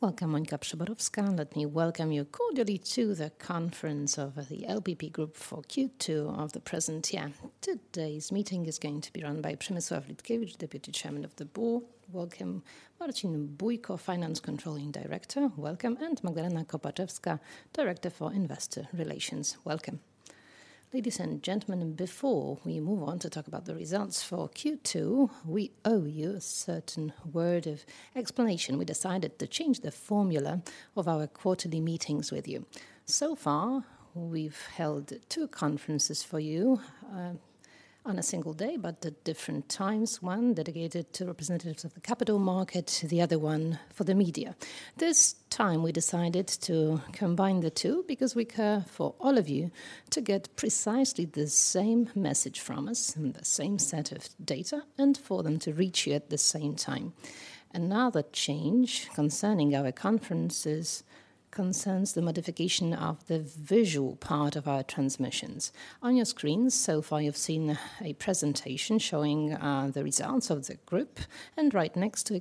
Welcome, Monika Przyborowska. Let me welcome you cordially to the conference of the LPP Group for Q2 of the present year. Today's meeting is going to be run by Przemysław Lutkiewicz, Deputy Chairman of the Board. Welcome. Marcin Bójko, Finance Controlling Director, welcome, and Magdalena Kopaczewska, Director for Investor Relations, welcome. Ladies and gentlemen, before we move on to talk about the results for Q2, we owe you a certain word of explanation. We decided to change the formula of our quarterly meetings with you. So far, we've held two conferences for you, on a single day, but at different times, one dedicated to representatives of the capital market, the other one for the media. This time, we decided to combine the two because we care for all of you to get precisely the same message from us and the same set of data, and for them to reach you at the same time. Another change concerning our conferences concerns the modification of the visual part of our transmissions. On your screen, so far, you've seen a presentation showing the results of the group, and right next to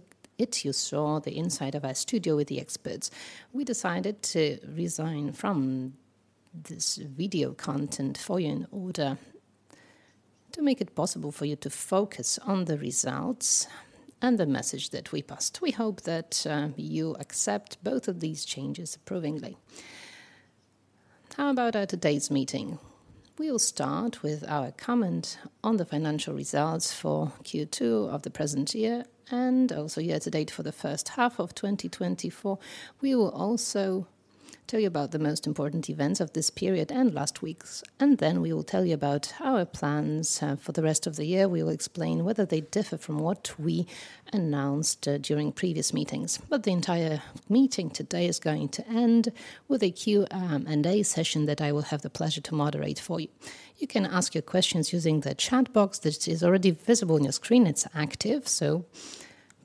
it, you saw the inside of our studio with the experts. We decided to resign from this video content for you in order to make it possible for you to focus on the results and the message that we passed. We hope that you accept both of these changes approvingly. How about at today's meeting? We'll start with our comment on the financial results for Q2 of the present year, and also year to date for the first half of 2024. We will also tell you about the most important events of this period and last week's, and then we will tell you about our plans for the rest of the year. We will explain whether they differ from what we announced during previous meetings. But the entire meeting today is going to end with a Q&A session that I will have the pleasure to moderate for you. You can ask your questions using the chat box that is already visible on your screen. It's active, so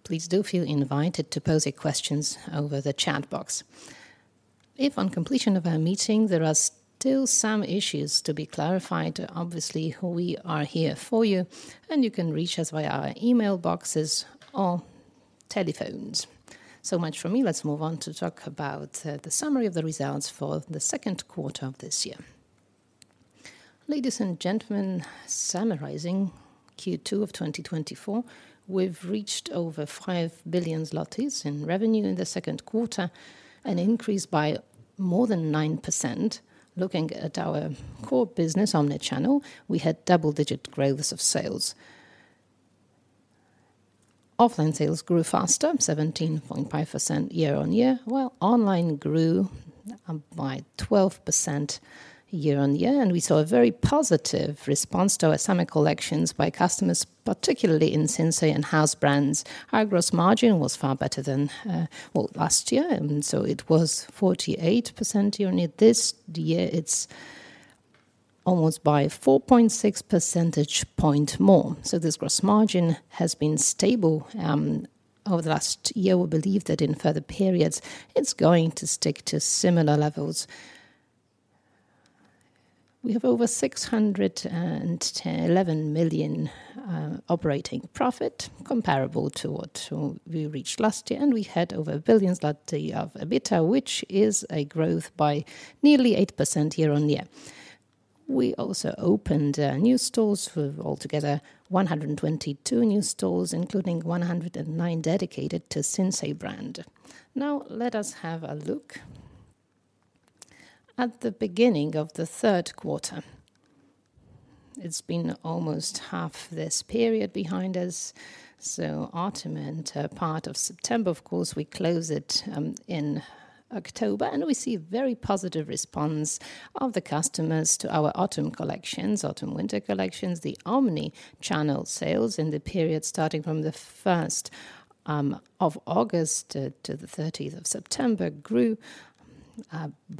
please do feel invited to pose your questions over the chat box. If on completion of our meeting, there are still some issues to be clarified, obviously, we are here for you, and you can reach us via our email boxes or telephones. So much from me. Let's move on to talk about the summary of the results for the second quarter of this year. Ladies and gentlemen, summarizing Q2 of 2024, we've reached over 5 billion zlotys in revenue in the second quarter, an increase by more than 9%. Looking at our core business, omnichannel, we had double-digit growth of sales. Offline sales grew faster, 17.5% year-on-year, while online grew by 12% year-on-year, and we saw a very positive response to our summer collections by customers, particularly in Sinsay and House brands. Our gross margin was far better than, well, last year, and so it was 48% year-on-year. This year, it's almost 4.6 percentage points more. So this gross margin has been stable over the last year. We believe that in further periods, it's going to stick to similar levels. We have over 611 million operating profit, comparable to what we reached last year, and we had over 1 billion zloty of EBITDA, which is a growth by nearly 8% year-on-year. We also opened new stores. We have altogether 122 new stores, including 109 dedicated to Sinsay brand. Now, let us have a look at the beginning of the third quarter. It's been almost half this period behind us, so autumn and part of September, of course, we close it in October, and we see very positive response of the customers to our autumn collections, autumn/winter collections. The omnichannel sales in the period starting from the first of August to the 13th of September grew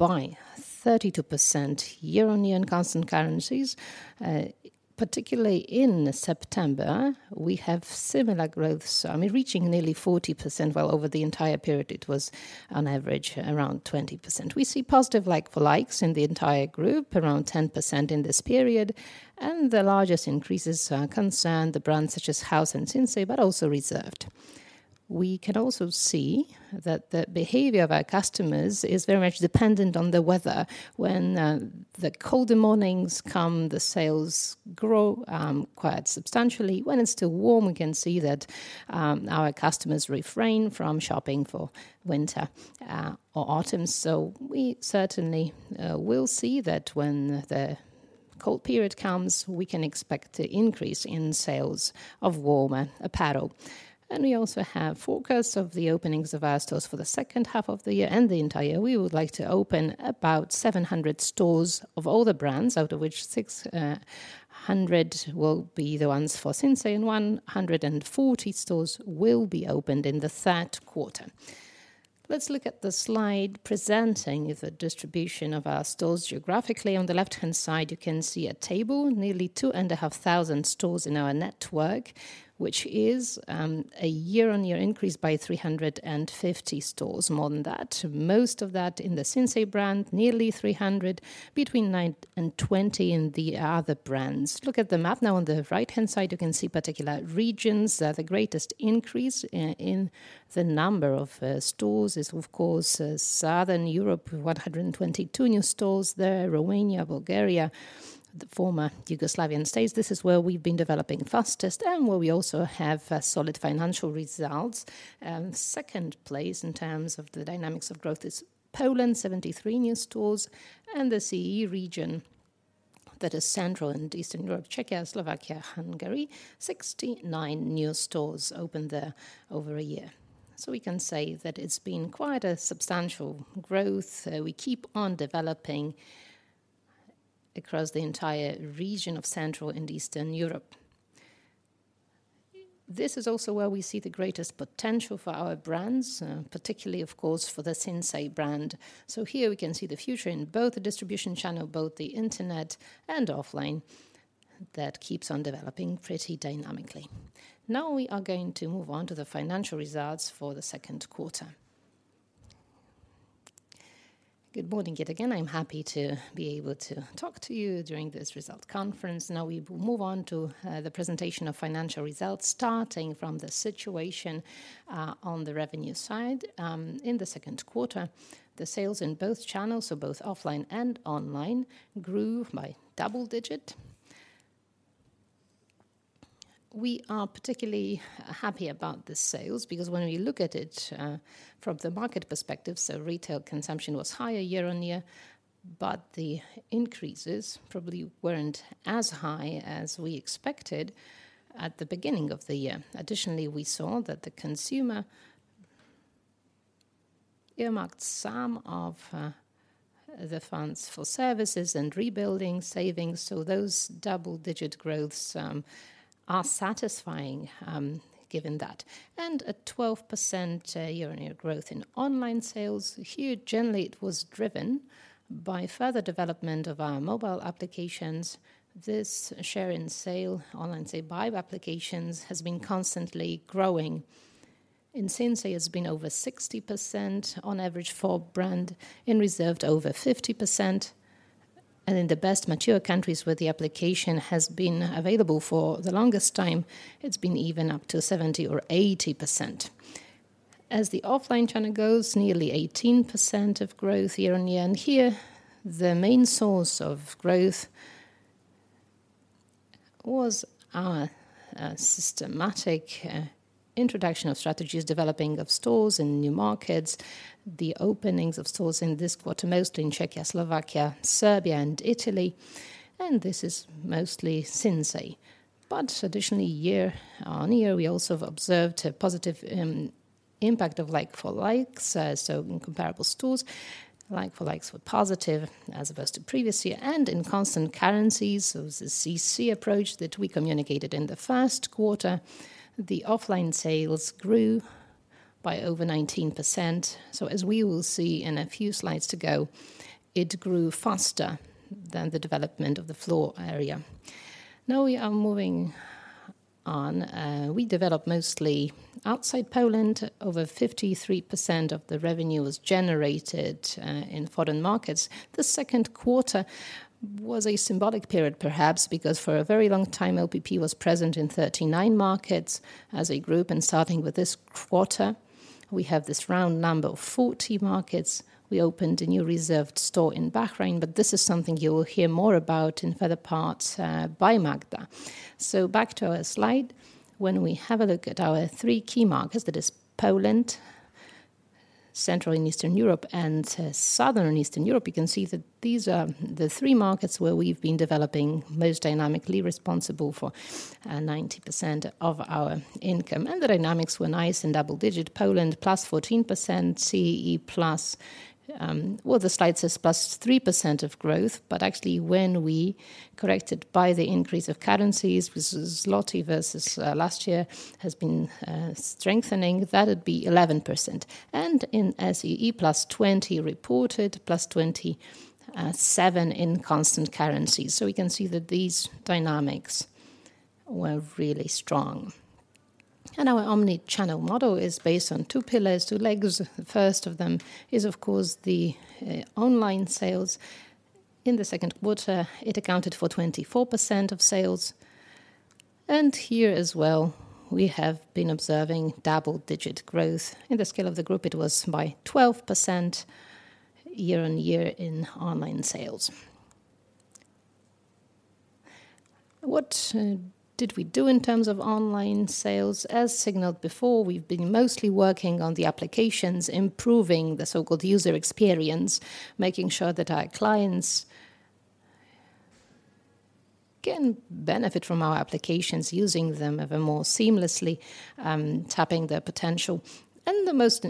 by 32% year-on-year in constant currencies. Particularly in September, we have similar growth, so, I mean, reaching nearly 40%, while over the entire period it was on average around 20%. We see positive like-for-likes in the entire group, around 10% in this period, and the largest increases concern the brands such as House and Sinsay, but also Reserved. We can also see that the behavior of our customers is very much dependent on the weather. When the colder mornings come, the sales grow quite substantially. When it's still warm, we can see that our customers refrain from shopping for winter or autumn. We certainly will see that when the cold period comes, we can expect an increase in sales of warmer apparel. We also have forecasts of the openings of our stores for the second half of the year and the entire year. We would like to open about 700 stores of all the brands, out of which 600 will be the ones for Sinsay, and 140 stores will be opened in the third quarter. Let's look at the slide presenting the distribution of our stores geographically. On the left-hand side, you can see a table, nearly 2,500 stores in our network, which is a year-on-year increase by 350 stores more than that. Most of that in the Sinsay brand, nearly 300, between 9 and 20 in the other brands. Look at the map now. On the right-hand side, you can see particular regions. The greatest increase in the number of stores is, of course, Southern Europe, 122 new stores there, Romania, Bulgaria, the former Yugoslavian states. This is where we've been developing fastest and where we also have solid financial results. Second place in terms of the dynamics of growth is Poland, 73 new stores, and the CEE region, that is Central and Eastern Europe, Czechoslovakia, Hungary, 69 new stores opened there over a year. We can say that it's been quite a substantial growth. We keep on developing across the entire region of Central and Eastern Europe. This is also where we see the greatest potential for our brands, particularly, of course, for the Sinsay brand. So here we can see the future in both the distribution channel, both the internet and offline, that keeps on developing pretty dynamically. Now, we are going to move on to the financial results for the second quarter. Good morning yet again. I'm happy to be able to talk to you during this results conference. Now, we will move on to the presentation of financial results, starting from the situation on the revenue side. In the second quarter, the sales in both channels, so both offline and online, grew by double-digit. We are particularly happy about the sales because when we look at it from the market perspective, so retail consumption was higher year-on-year, but the increases probably weren't as high as we expected at the beginning of the year. Additionally, we saw that the consumer earmarked some of the funds for services and rebuilding savings, so those double-digit growths are satisfying given that, and a 12% year-on-year growth in online sales. Here, generally, it was driven by further development of our mobile applications. This share in sales, online sales by applications, has been constantly growing. In Sinsay, it's been over 60% on average for brand, in Reserved, over 50%, and in the best mature countries where the application has been available for the longest time, it's been even up to 70% or 80%. As the offline channel goes, nearly 18% growth year-on-year, and here, the main source of growth was our systematic introduction of strategies, developing of stores in new markets, the openings of stores in this quarter, mostly in Czechoslovakia, Serbia and Italy, and this is mostly Sinsay. But additionally, year-on-year, we also observed a positive impact of like-for-likes. So in comparable stores, like-for-likes were positive as opposed to previous year. And in constant currencies, so the CC approach that we communicated in the first quarter, the offline sales grew by over 19%. So as we will see in a few slides to go, it grew faster than the development of the floor area. Now, we are moving on. We developed mostly outside Poland. Over 53% of the revenue was generated in foreign markets. The second quarter was a symbolic period, perhaps, because for a very long time, LPP was present in 39 markets as a group, and starting with this quarter, we have this round number of 40 markets. We opened a new Reserved store in Bahrain, but this is something you will hear more about in further parts, by Magda. So back to our slide. When we have a look at our three key markets, that is Poland, Central and Eastern Europe, and Southern and Eastern Europe, you can see that these are the three markets where we've been developing most dynamically, responsible for 90% of our income. The dynamics were nice in double-digit, Poland +14%, CEE plus, well, the slide says +3% of growth, but actually, when we corrected by the increase of currencies, which is zloty versus last year has been strengthening, that would be 11%. In SEE, +20 reported, +27 in constant currency. We can see that these dynamics were really strong. Our omni-channel model is based on two pillars, two legs. The first of them is, of course, the online sales. In the second quarter, it accounted for 24% of sales, and here as well, we have been observing double-digit growth. In the scale of the group, it was by 12% year-on-year in online sales. What did we do in terms of online sales? As signaled before, we've been mostly working on the applications, improving the so-called user experience, making sure that our clients can benefit from our applications, using them even more seamlessly, tapping their potential. And the most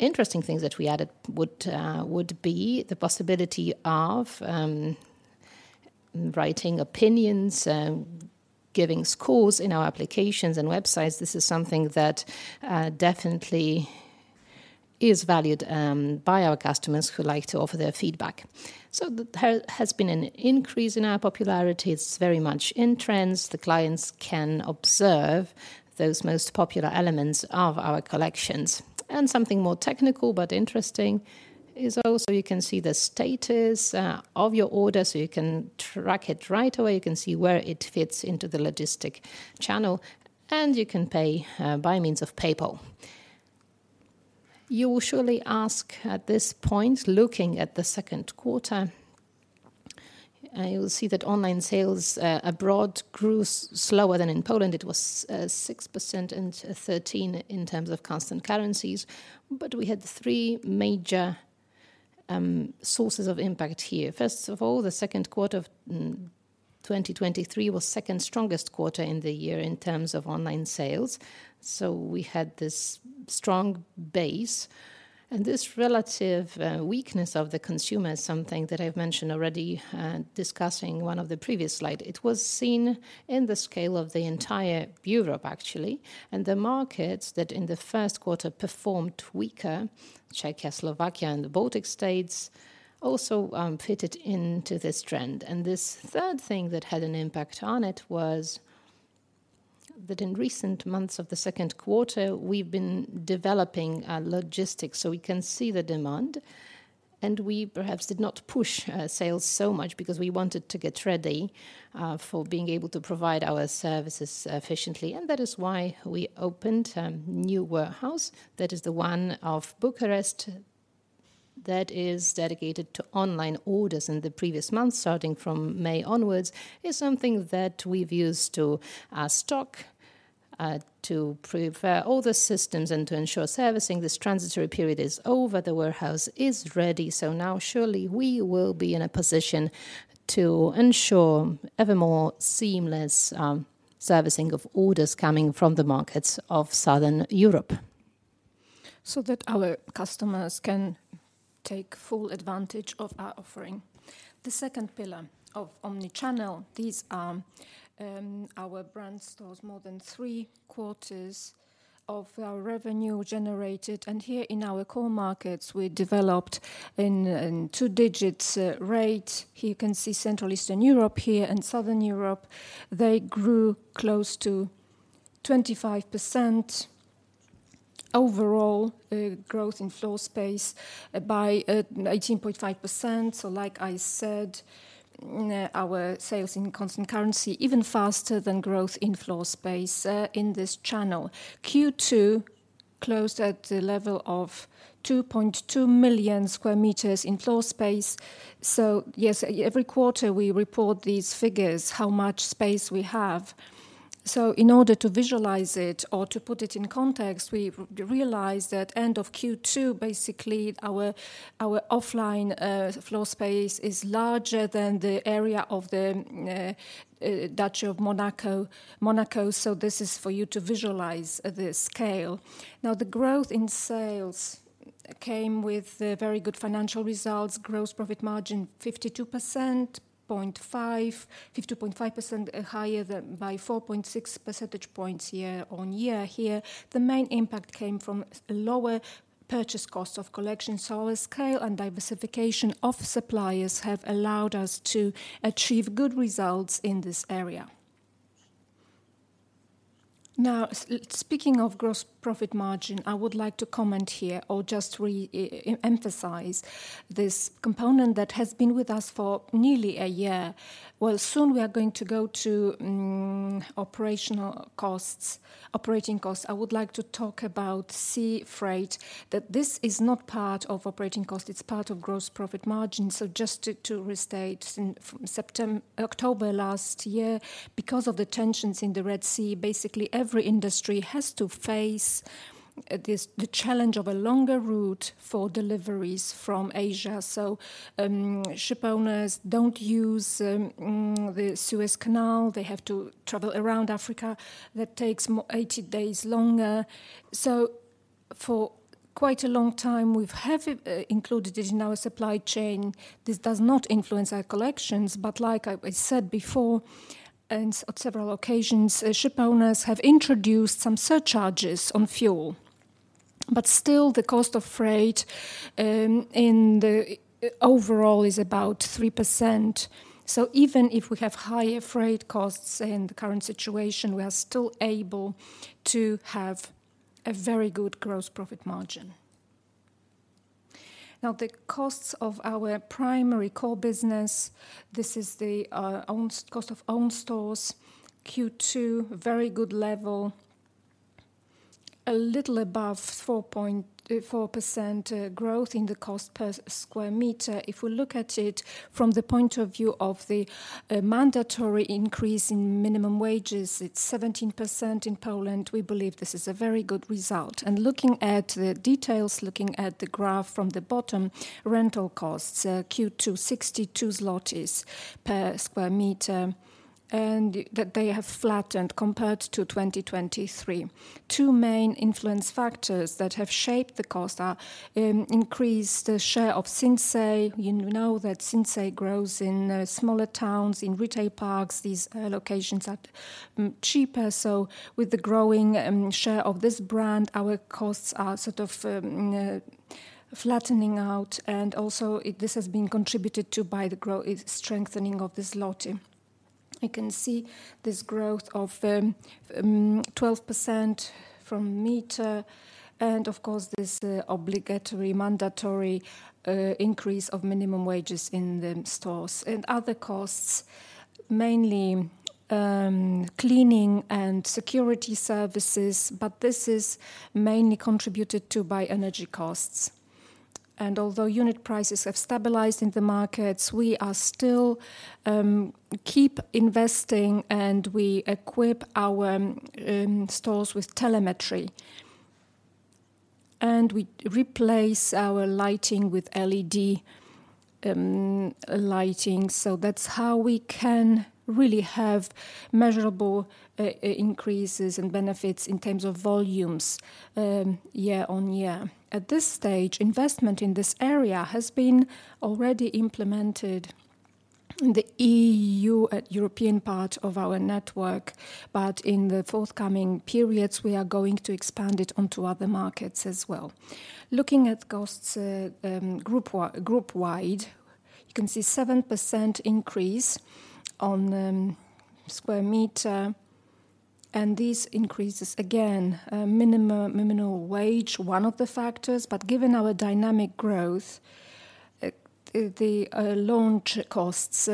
interesting things that we added would be the possibility of writing opinions, giving scores in our applications and websites. This is something that definitely is valued by our customers who like to offer their feedback. So there has been an increase in our popularity. It's very much in trends. The clients can observe those most popular elements of our collections. And something more technical but interesting is also you can see the status of your order, so you can track it right away. You can see where it fits into the logistic channel, and you can pay by means of PayPal. You will surely ask at this point, looking at the second quarter, you'll see that online sales abroad grew slower than in Poland. It was 6% and 13% in terms of constant currencies. But we had three major sources of impact here. First of all, the second quarter of 2023 was second strongest quarter in the year in terms of online sales, so we had this strong base, and this relative weakness of the consumer is something that I've mentioned already discussing one of the previous slide. It was seen in the scale of the entire Europe, actually, and the markets that in the first quarter performed weaker, Czechoslovakia and the Baltic States, also fitted into this trend. And this third thing that had an impact on it was that in recent months of the second quarter, we've been developing our logistics so we can see the demand, and we perhaps did not push sales so much because we wanted to get ready for being able to provide our services efficiently. And that is why we opened a new warehouse. That is the one in Bucharest that is dedicated to online orders. In the previous month, starting from May onwards, is something that we've used to our stock to prepare all the systems and to ensure servicing. This transitory period is over. The warehouse is ready, so now surely we will be in a position to ensure ever more seamless servicing of orders coming from the markets of Southern Europe so that our customers can take full advantage of our offering. The second pillar of omnichannel, these are, our brand stores, more than three-quarters of our revenue generated, and here in our core markets, we developed in two digits rate. Here you can see Central and Eastern Europe here and Southern Europe. They grew close to 25%. Overall, growth in floor space by 18.5%. So like I said, our sales in constant currency even faster than growth in floor space in this channel. Q2 closed at the level of 2.2 million sq m in floor space. So yes, every quarter we report these figures, how much space we have. In order to visualize it or to put it in context, we've realized that end of Q2, basically, our offline floor space is larger than the area of the Duchy of Monaco, so this is for you to visualize the scale. Now, the growth in sales came with very good financial results. Gross profit margin, 52.5%, 50.5%, higher than by 4.6 percentage points year-on-year here. The main impact came from lower purchase costs of collection, so our scale and diversification of suppliers have allowed us to achieve good results in this area. Now, speaking of gross profit margin, I would like to comment here or just re-emphasize this component that has been with us for nearly a year. Soon we are going to go to operational costs, operating costs. I would like to talk about sea freight, that this is not part of operating cost, it's part of gross profit margin. Just to restate, in September-October last year, because of the tensions in the Red Sea, basically every industry has to face this, the challenge of a longer route for deliveries from Asia. Ship owners don't use the Suez Canal. They have to travel around Africa. That takes more eighty days longer. For quite a long time, we have included it in our supply chain. This does not influence our collections, but like I said before, and on several occasions, ship owners have introduced some surcharges on fuel. Still, the cost of freight in the overall is about 3%. Even if we have higher freight costs in the current situation, we are still able to have a very good gross profit margin. Now, the costs of our primary core business, this is the own cost of own stores. Q2, very good level, a little above 4.4% growth in the cost per square meter. If we look at it from the point of view of the mandatory increase in minimum wages, it's 17% in Poland. We believe this is a very good result. Looking at the details, looking at the graph from the bottom, rental costs, Q2, 62 zlotys per sq m, and that they have flattened compared to 2023. Two main influence factors that have shaped the cost are increased share of Sinsay. You know that Sinsay grows in smaller towns, in retail parks. These locations are cheaper, so with the growing share of this brand, our costs are sort of flattening out, and also, this has been contributed to by the strengthening of the zloty. You can see this growth of 12% per meter and of course, this obligatory, mandatory increase of minimum wages in the stores, and other costs, mainly cleaning and security services, but this is mainly contributed to by energy costs. And although unit prices have stabilized in the markets, we are still keep investing, and we equip our stores with telemetry, and we replace our lighting with LED lighting, so that's how we can really have measurable increases and benefits in terms of volumes year-on-year. At this stage, investment in this area has been already implemented in the EU, at European part of our network, but in the forthcoming periods, we are going to expand it onto other markets as well. Looking at costs, group wide, you can see 7% increase on square meter, and these increases, again, minimum wage, one of the factors, but given our dynamic growth, the launch costs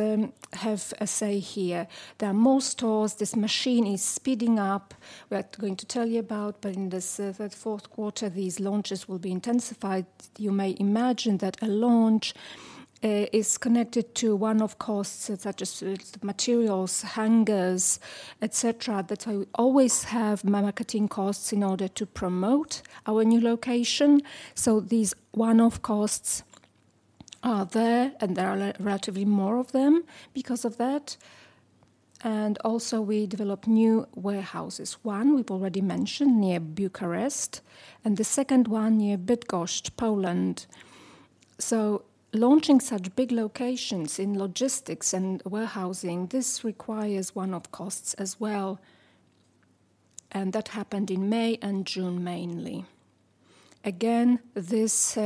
have a say here. There are more stores. This machine is speeding up. We're going to tell you about, but in this fourth quarter, these launches will be intensified. You may imagine that a launch is connected to one-off costs, such as materials, hangers, et cetera, that we always have marketing costs in order to promote our new location. So these one-off costs are there, and there are relatively more of them because of that. And also, we develop new warehouses. One we've already mentioned, near Bucharest, and the second one near Bydgoszcz, Poland. So launching such big locations in logistics and warehousing, this requires one-off costs as well, and that happened in May and June, mainly. Again, this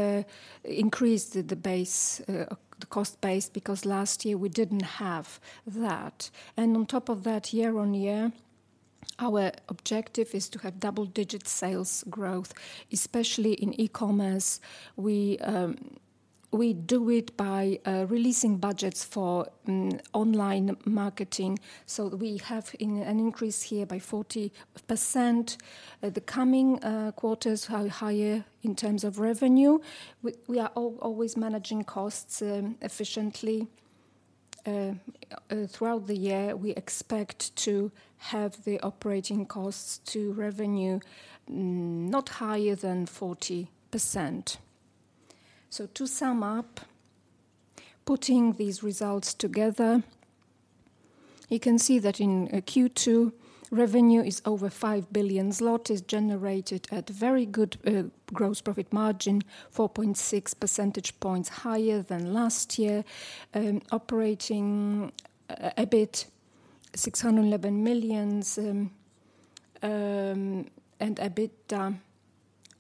increased the base, the cost base, because last year we didn't have that. And on top of that, year-on-year, our objective is to have double-digit sales growth, especially in e-commerce. We, we do it by releasing budgets for online marketing, so we have an increase here by 40%. The coming quarters are higher in terms of revenue. We, we are always managing costs efficiently. Throughout the year, we expect to have the operating costs to revenue not higher than 40%. So to sum up, putting these results together, you can see that in Q2, revenue is over 5 billion zlotys, generated at very good gross profit margin, 4.6 percentage points higher than last year. Operating EBIT, 611 million, and EBITDA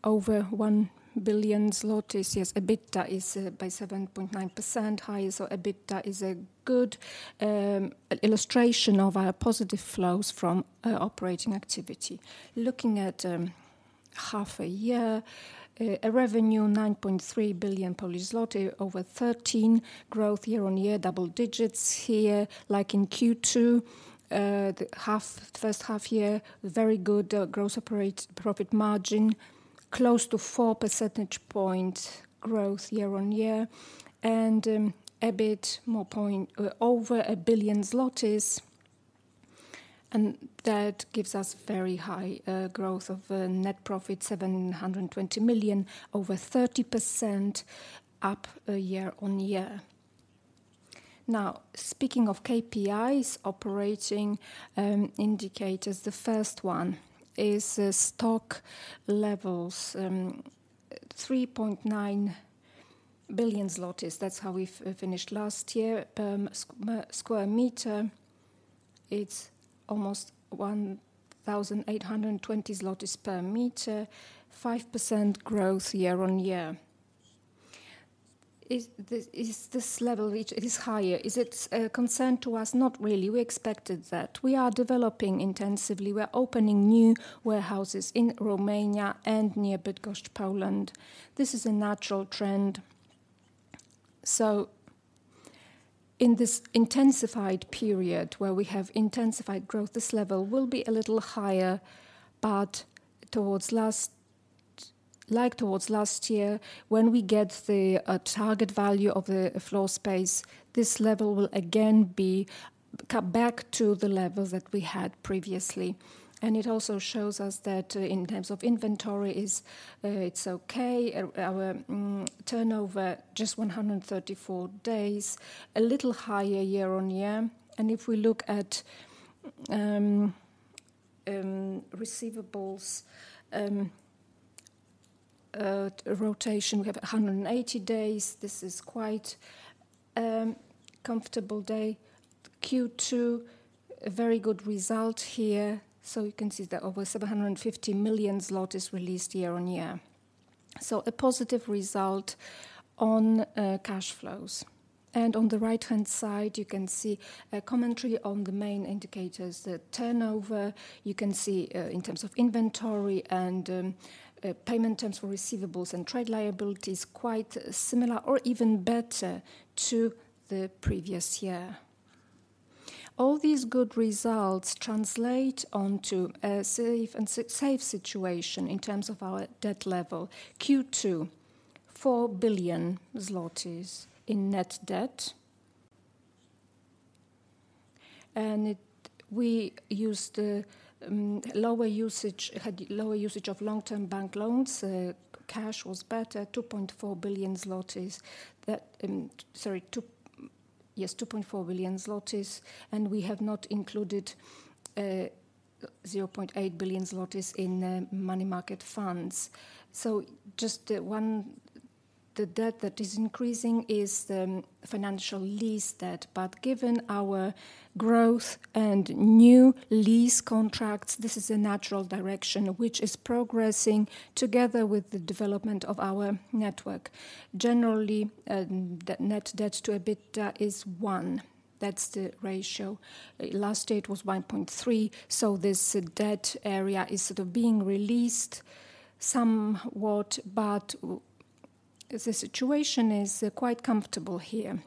over 1 billion zlotys. Yes, EBITDA is by 7.9% higher, so EBITDA is a good illustration of our positive flows from operating activity. Looking at half a year, revenue, 9.3 billion Polish zloty, over 13% growth year-on-year, double digits here, like in Q2. The first half year very good gross operating profit margin close to four percentage points growth year-on-year, and EBIT more points over 1 billion zlotys, and that gives us very high growth of net profit 720 million, over 30% up year-on-year. Now, speaking of KPIs, operating indicators, the first one is stock levels. 3.9 billion zlotys, that's how we've finished last year. Per square meter, it's almost 1,820 zlotys per square meter, 5% growth year-on-year. Is this level, which is higher, a concern to us? Not really. We expected that. We are developing intensively. We're opening new warehouses in Romania and near Bydgoszcz, Poland. This is a natural trend. So in this intensified period, where we have intensified growth, this level will be a little higher, but like towards last year, when we get the target value of the floor space, this level will again be cut back to the level that we had previously. And it also shows us that in terms of inventory is, it's okay. Our turnover, just 134 days, a little higher year-on-year. And if we look at receivables rotation, we have 180 days. This is quite comfortable day. Q2, a very good result here. So you can see that over 750 million zloty released year-on-year. So a positive result on cash flows. And on the right-hand side, you can see a commentary on the main indicators. The turnover, you can see, in terms of inventory and payment terms for receivables and trade liabilities, quite similar or even better to the previous year. All these good results translate onto a safe situation in terms of our debt level. Q2, 4 billion zlotys in Net Debt, and we had lower usage of long-term bank loans. Cash was better, 2.4 billion zlotys. Sorry, yes, 2.4 billion zlotys, and we have not included 0.8 billion zlotys in money market funds. So, the debt that is increasing is the financial lease debt, but given our growth and new lease contracts, this is a natural direction, which is progressing together with the development of our network. Generally, the net debt to EBITDA is one. That's the ratio. Last year, it was 1.3, so this debt area is sort of being released somewhat, but the situation is quite comfortable here.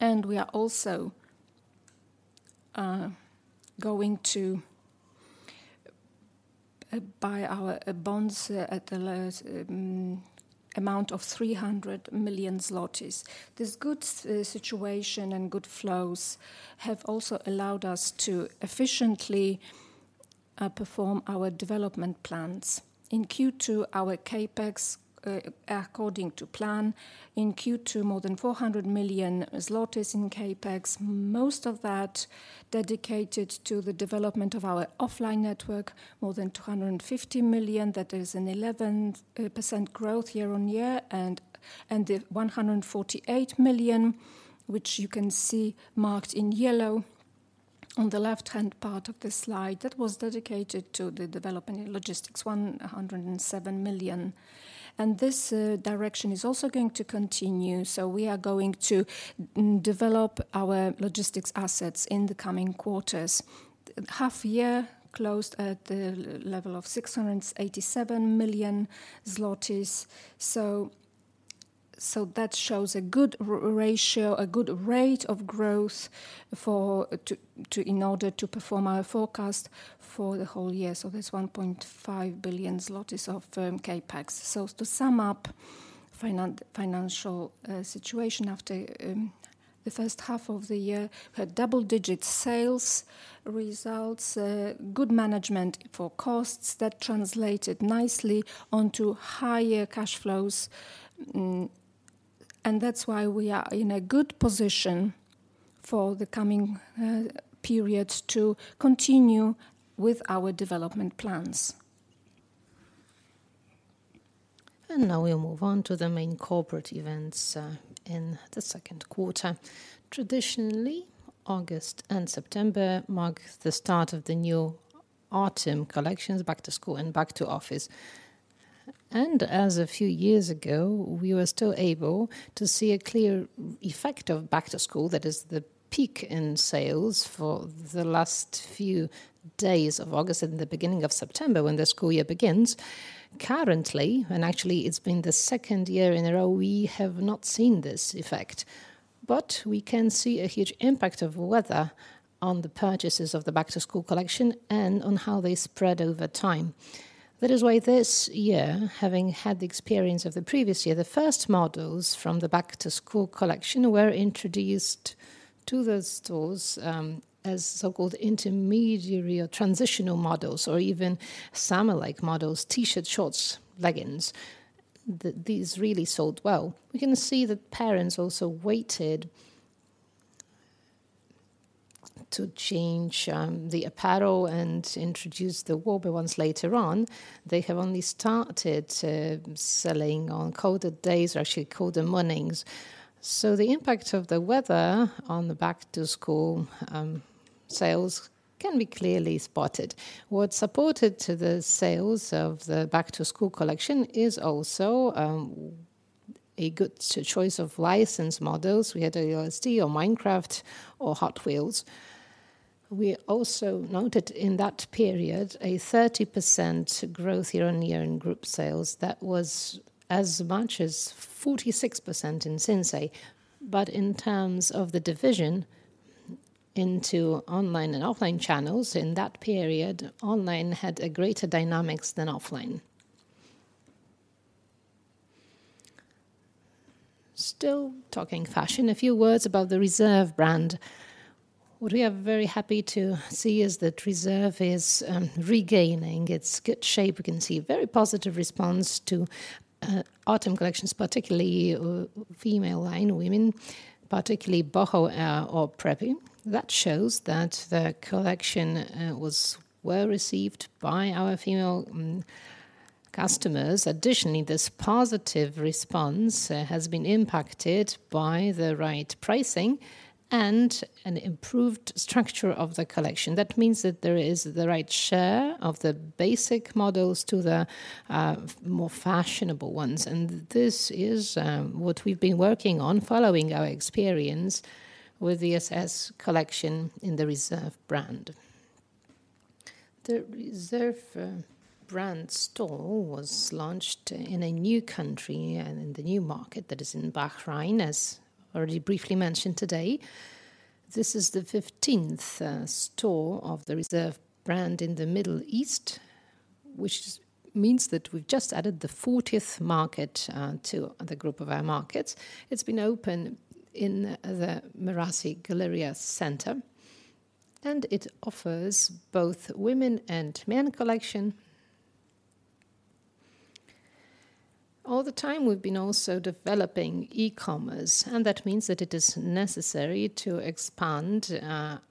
And we are also going to buy our bonds at the lowest amount of 300 million zlotys. This good situation and good flows have also allowed us to efficiently perform our development plans. In Q2, our CapEx according to plan, in Q2, more than 400 million zlotys in CapEx, most of that dedicated to the development of our offline network, more than 250 million. That is an 11% growth year-on-year, and the 148 million, which you can see marked in yellow on the left-hand part of the slide, that was dedicated to the developing logistics, 107 million. And this direction is also going to continue, so we are going to develop our logistics assets in the coming quarters. Half year closed at the level of 687 million zlotys, so that shows a good ratio, a good rate of growth in order to perform our forecast for the whole year. So there's 1.5 billion zlotys of CapEx. So to sum up financial situation after the first half of the year, had double-digit sales results, good management for costs that translated nicely onto higher cash flows. And that's why we are in a good position for the coming periods to continue with our development plans. And now we'll move on to the main corporate events in the second quarter. Traditionally, August and September mark the start of the new autumn collections, Back to School and Back to Office. And as a few years ago, we were still able to see a clear effect of Back to School, that is the peak in sales for the last few days of August and the beginning of September, when the school year begins. Currently, and actually it's been the second year in a row, we have not seen this effect. But we can see a huge impact of weather on the purchases of the Back to School collection and on how they spread over time. That is why this year, having had the experience of the previous year, the first models from the Back to School collection were introduced to the stores, as so-called intermediary or transitional models, or even summer-like models, T-shirt, shorts, leggings. These really sold well. We can see that parents also waited to change the apparel and introduce the warmer ones later on. They have only started selling on colder days or actually colder mornings. So the impact of the weather on the Back to School sales can be clearly spotted. What supported to the sales of the Back to School collection is also a good choice of licensed models. We had LSD or Minecraft or Hot Wheels. We also noted in that period a 30% growth year-on-year in group sales. That was as much as 46% in Sinsay. But in terms of the division into online and offline channels, in that period, online had a greater dynamics than offline. Still talking fashion, a few words about the Reserved brand. What we are very happy to see is that Reserved is regaining its good shape. We can see a very positive response to autumn collections, particularly female line, women, particularly boho or preppy. That shows that the collection was well-received by our female customers. Additionally, this positive response has been impacted by the right pricing and an improved structure of the collection. That means that there is the right share of the basic models to the more fashionable ones, and this is what we've been working on, following our experience with the SS collection in the Reserved brand. The Reserved brand store was launched in a new country and in the new market that is in Bahrain, as already briefly mentioned today. This is the fifteenth store of the Reserved brand in the Middle East, which means that we've just added the fortieth market to the group of our markets. It's been open in the Marassi Galleria Center, and it offers both women and men collection. All the time, we've been also developing e-commerce, and that means that it is necessary to expand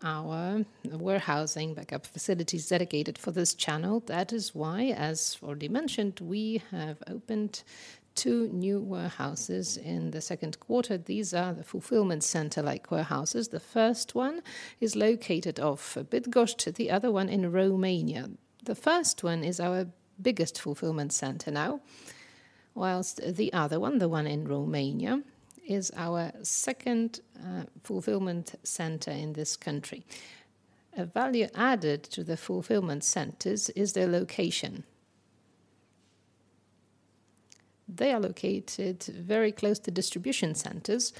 our warehousing backup facilities dedicated for this channel. That is why, as already mentioned, we have opened two new warehouses in the second quarter. These are the fulfillment center-like warehouses. The first one is located in Bydgoszcz, the other one in Romania. The first one is our biggest fulfillment center now, whilst the other one, the one in Romania, is our second fulfillment center in this country. A value added to the fulfillment centers is their location. They are located very close to distribution centers,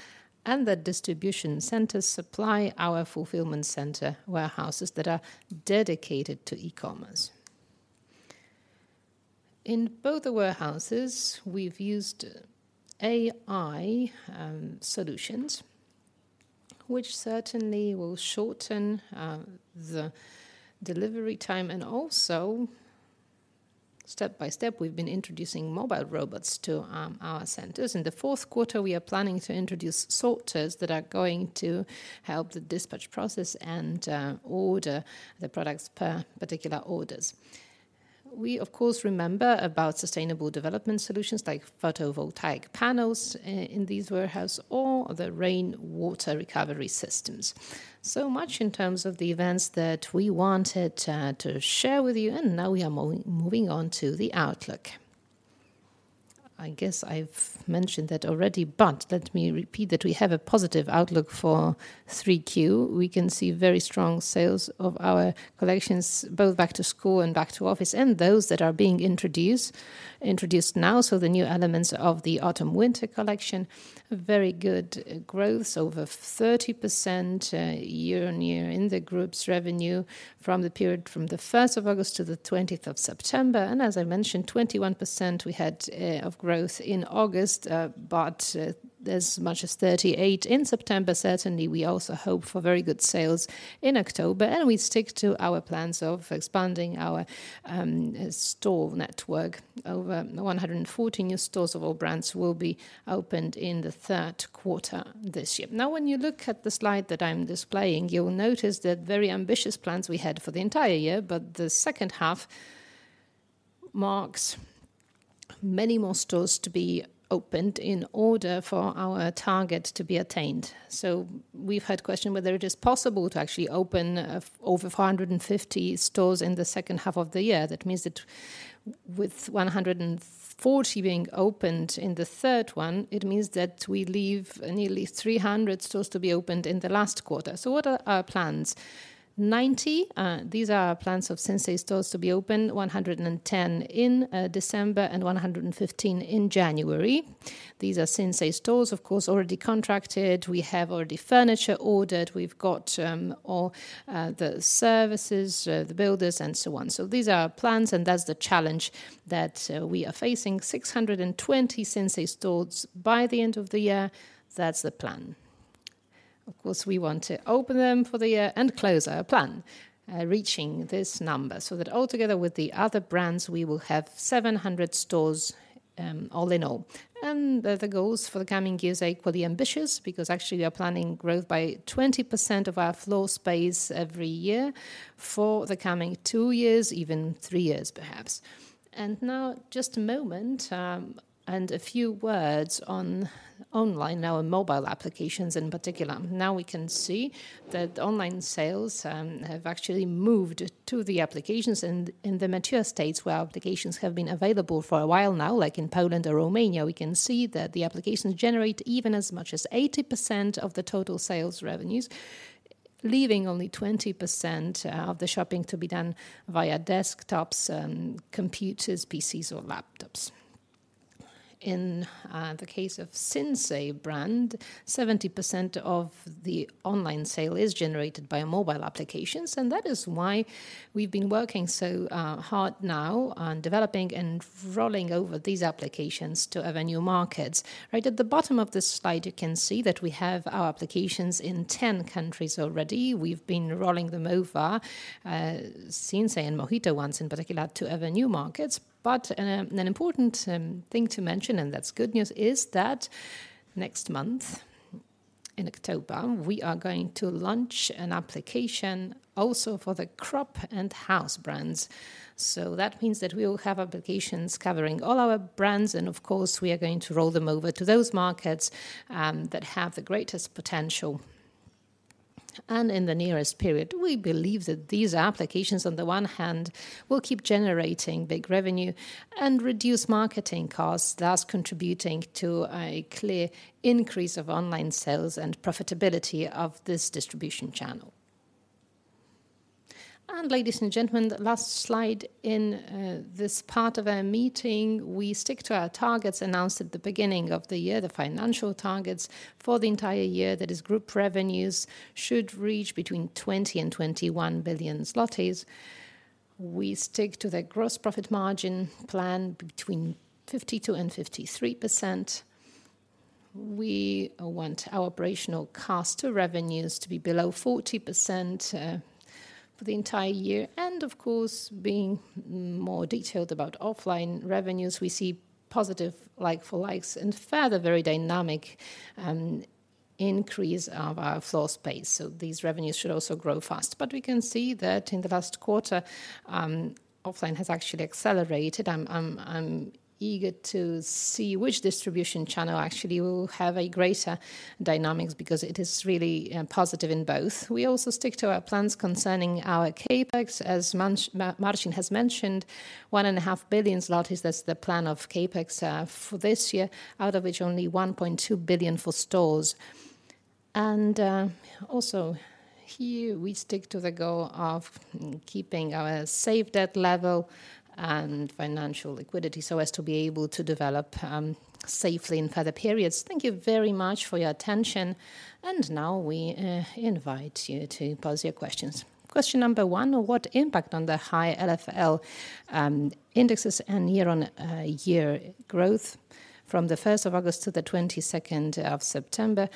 and the distribution centers supply our fulfillment center warehouses that are dedicated to e-commerce. In both the warehouses, we've used AI solutions, which certainly will shorten the delivery time and also, step by step, we've been introducing mobile robots to our centers. In the fourth quarter, we are planning to introduce sorters that are going to help the dispatch process and order the products per particular orders. We, of course, remember about sustainable development solutions like photovoltaic panels in these warehouses or the rain water recovery systems. So much in terms of the events that we wanted to share with you, and now we are moving on to the outlook. I guess I've mentioned that already, but let me repeat that we have a positive outlook for 3Q. We can see very strong sales of our collections, both Back to School and Back to Office, and those that are being introduced now, so the new elements of the autumn/winter collection. Very good growth, over 30%, year-on-year in the group's revenue from the period from the 1st of August to the 20th of September, and as I mentioned, 21% we had of growth in August, but as much as 38% in September. Certainly, we also hope for very good sales in October, and we stick to our plans of expanding our store network. Over 140 new stores of all brands will be opened in the third quarter this year. Now, when you look at the slide that I'm displaying, you'll notice the very ambitious plans we had for the entire year, but the second half marks many more stores to be opened in order for our target to be attained. So we've had question whether it is possible to actually open over 450 stores in the second half of the year. That means that with 140 being opened in the third one, it means that we leave nearly 300 stores to be opened in the last quarter. So what are our plans? Ninety, these are our plans of Sinsay stores to be opened, 110 in December, and 115 in January. These are Sinsay stores, of course, already contracted. We have already furniture ordered. We've got all the services the builders, and so on. So these are our plans, and that's the challenge that we are facing. 620 Sinsay stores by the end of the year, that's the plan. Of course, we want to open them for the year and close our plan reaching this number, so that all together with the other brands, we will have 700 stores all in all. And the goals for the coming years are equally ambitious because actually, we are planning growth by 20% of our floor space every year for the coming two years, even three years, perhaps. And now, just a moment, and a few words on online, our mobile applications in particular. Now, we can see that online sales have actually moved to the applications and in the mature markets where applications have been available for a while now, like in Poland or Romania, we can see that the applications generate even as much as 80% of the total sales revenues, leaving only 20% of the shopping to be done via desktops and computers, PCs, or laptops. In the case of Sinsay brand, 70% of the online sale is generated by mobile applications, and that is why we've been working so hard now on developing and rolling out these applications to our new markets. Right at the bottom of this slide, you can see that we have our applications in 10 countries already. We've been rolling them out, Sinsay and MOHITO ones in particular, to our new markets. But, an important thing to mention, and that's good news, is that next month, in October, we are going to launch an application also for the Cropp and House brands. So that means that we will have applications covering all our brands, and of course, we are going to roll them over to those markets that have the greatest potential. And in the nearest period, we believe that these applications, on the one hand, will keep generating big revenue and reduce marketing costs, thus contributing to a clear increase of online sales and profitability of this distribution channel. And ladies and gentlemen, the last slide in this part of our meeting, we stick to our targets announced at the beginning of the year, the financial targets for the entire year. That is, group revenues should reach between 20 billion and 21 billion zlotys. We stick to the gross profit margin plan between 52% and 53%. We want our operational cost to revenues to be below 40%, for the entire year. And of course, being more detailed about offline revenues, we see positive like for likes and further very dynamic increase of our floor space. So these revenues should also grow fast. But we can see that in the last quarter, offline has actually accelerated. I'm eager to see which distribution channel actually will have a greater dynamics, because it is really positive in both. We also stick to our plans concerning our CapEx. As Marcin has mentioned, 1.5 billion zlotys, that's the plan of CapEx, for this year, out of which only 1.2 billion for stores. Also, here, we stick to the goal of keeping our safe debt level and financial liquidity so as to be able to develop safely in further periods. Thank you very much for your attention, and now we invite you to pose your questions. Question number one: What impact on the high LFL indexes and year-on-year growth from the first of August to the 22nd of September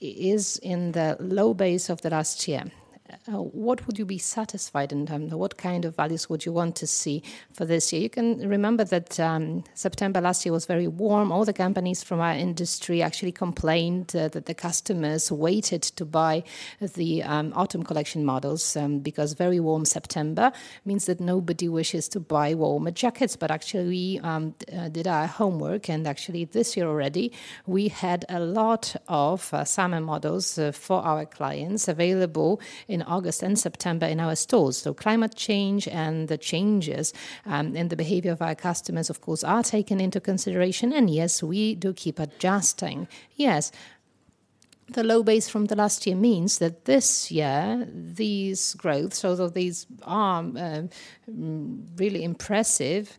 is in the low base of the last year? What would you be satisfied in terms of- What kind of values would you want to see for this year? You can remember that, September last year was very warm. All the companies from our industry actually complained that the customers waited to buy the autumn collection models because very warm September means that nobody wishes to buy warmer jackets. But actually, did our homework, and actually this year already, we had a lot of summer models for our clients available in August and September in our stores. So climate change and the changes in the behavior of our customers, of course, are taken into consideration, and yes, we do keep adjusting. Yes, the low base from the last year means that this year, these growth, although these are really impressive,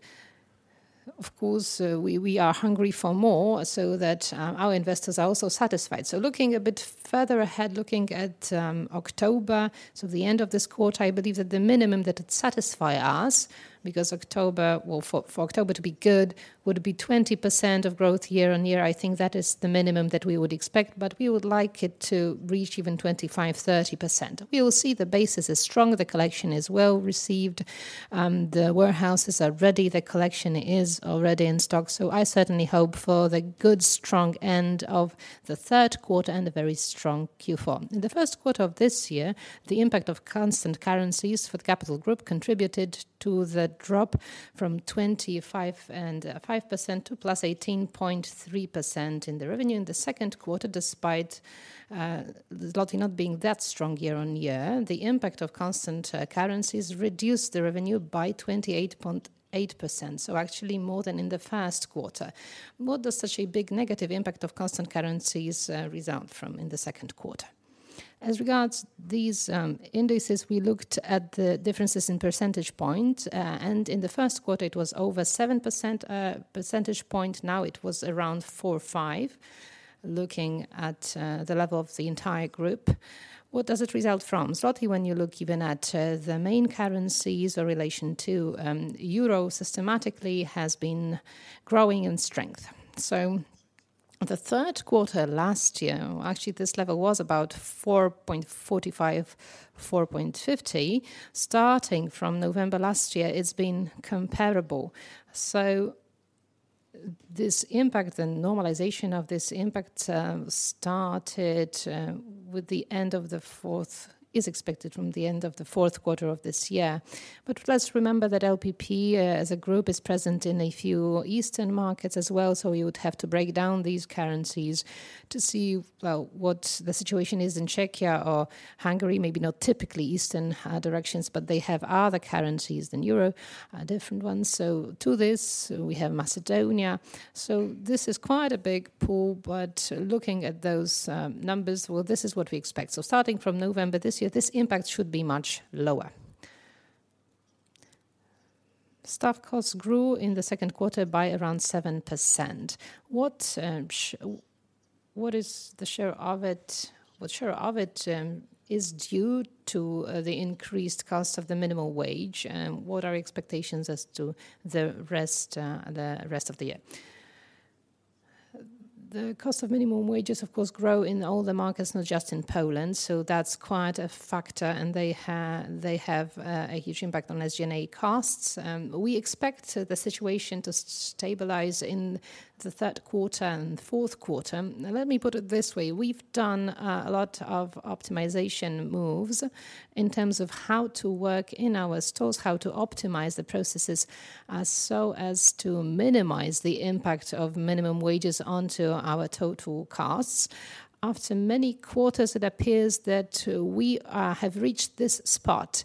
of course, we are hungry for more so that our investors are also satisfied. So looking a bit further ahead, looking at October, so the end of this quarter, I believe that the minimum that it satisfy us, because October. Well, for October to be good, would be 20% growth year-on-year. I think that is the minimum that we would expect, but we would like it to reach even 25%-30%. We will see the basis is strong, the collection is well-received, the warehouses are ready, the collection is already in stock, so I certainly hope for the good, strong end of the third quarter and a very strong Q4. In the first quarter of this year, the impact of constant currencies for the Capital Group contributed to the drop from 25.5% to +18.3% in the revenue. In the second quarter, despite zloty not being that strong year-on-year, the impact of constant currencies reduced the revenue by 28.8%, so actually more than in the first quarter. What does such a big negative impact of constant currencies result from in the second quarter? As regards these indices, we looked at the differences in percentage point, and in the first quarter, it was over 7%, percentage point. Now it was around 4%-5%, looking at the level of the entire group. What does it result from? Zloty, when you look even at the main currencies or relation to euro, systematically has been growing in strength. So the third quarter last year, actually, this level was about 4.45%, 4.50%. Starting from November last year, it's been comparable. So this impact and normalization of this impact started with the end of the fourth- is expected from the end of the fourth quarter of this year. But let's remember that LPP, as a group, is present in a few eastern markets as well, so you would have to break down these currencies to see, well, what the situation is in Czechia or Hungary. Maybe not typically eastern directions, but they have other currencies than euro, different ones. So to this, we have Macedonia. So this is quite a big pool, but looking at those numbers, well, this is what we expect. So starting from November this year, this impact should be much lower. Staff costs grew in the second quarter by around 7%. What is the share of it? What share of it is due to the increased cost of the minimum wage, and what are expectations as to the rest of the year? The cost of minimum wages, of course, grow in all the markets, not just in Poland, so that's quite a factor, and they have a huge impact on SG&A costs. We expect the situation to stabilize in the third quarter and fourth quarter. Now, let me put it this way: We've done a lot of optimization moves in terms of how to work in our stores, how to optimize the processes, so as to minimize the impact of minimum wages onto our total costs. After many quarters, it appears that we have reached this spot.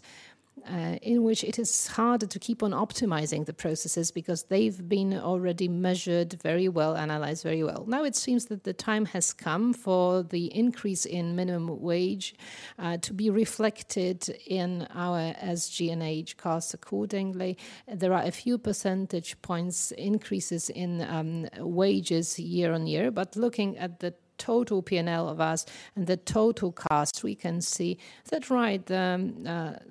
In which it is harder to keep on optimizing the processes because they've been already measured very well, analyzed very well. Now, it seems that the time has come for the increase in minimum wage to be reflected in our SG&A costs accordingly. There are a few percentage points increases in wages year-on-year, but looking at the total P&L of us and the total cost, we can see that, right,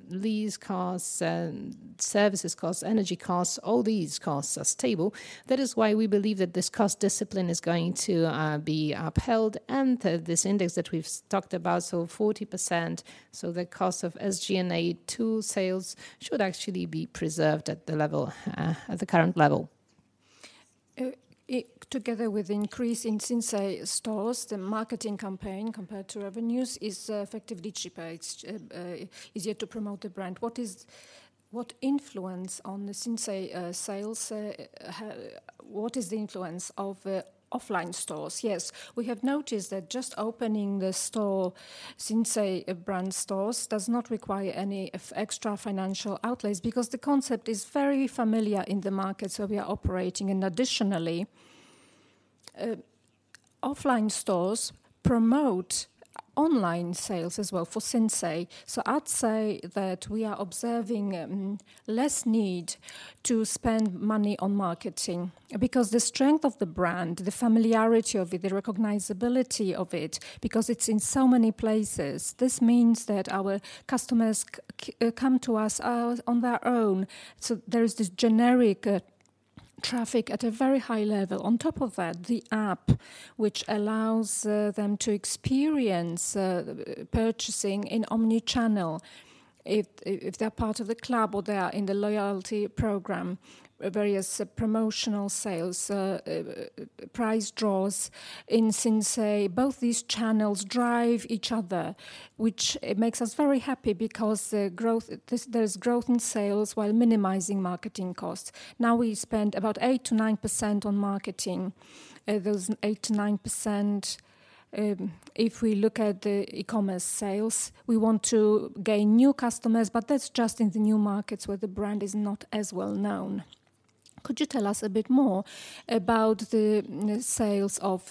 these costs and services costs, energy costs, all these costs are stable. That is why we believe that this cost discipline is going to be upheld, and this index that we've talked about, so 40%, so the cost of SG&A to sales should actually be preserved at the level at the current level. It, together with increase in Sinsay stores, the marketing campaign compared to revenues is effectively cheaper. It's easier to promote the brand. What is the influence on the Sinsay sales? What is the influence of offline stores? Yes. We have noticed that just opening the store, Sinsay brand stores, does not require any of extra financial outlays because the concept is very familiar in the market, so we are operating, and additionally, offline stores promote online sales as well for Sinsay, so I'd say that we are observing less need to spend money on marketing because the strength of the brand, the familiarity of it, the recognizability of it, because it's in so many places, this means that our customers come to us on their own, so there is this generic traffic at a very high level. On top of that, the app, which allows, them to experience, purchasing in omni-channel, if, if they're part of the club or they are in the loyalty program, various promotional sales, prize draws. In Sinsay, both these channels drive each other, which it makes us very happy because the growth- there's growth in sales while minimizing marketing costs. Now, we spend about 8% to 9% on marketing. There's 8% to 9%, if we look at the e-commerce sales. We want to gain new customers, but that's just in the new markets where the brand is not as well known. Could you tell us a bit more about the, sales of,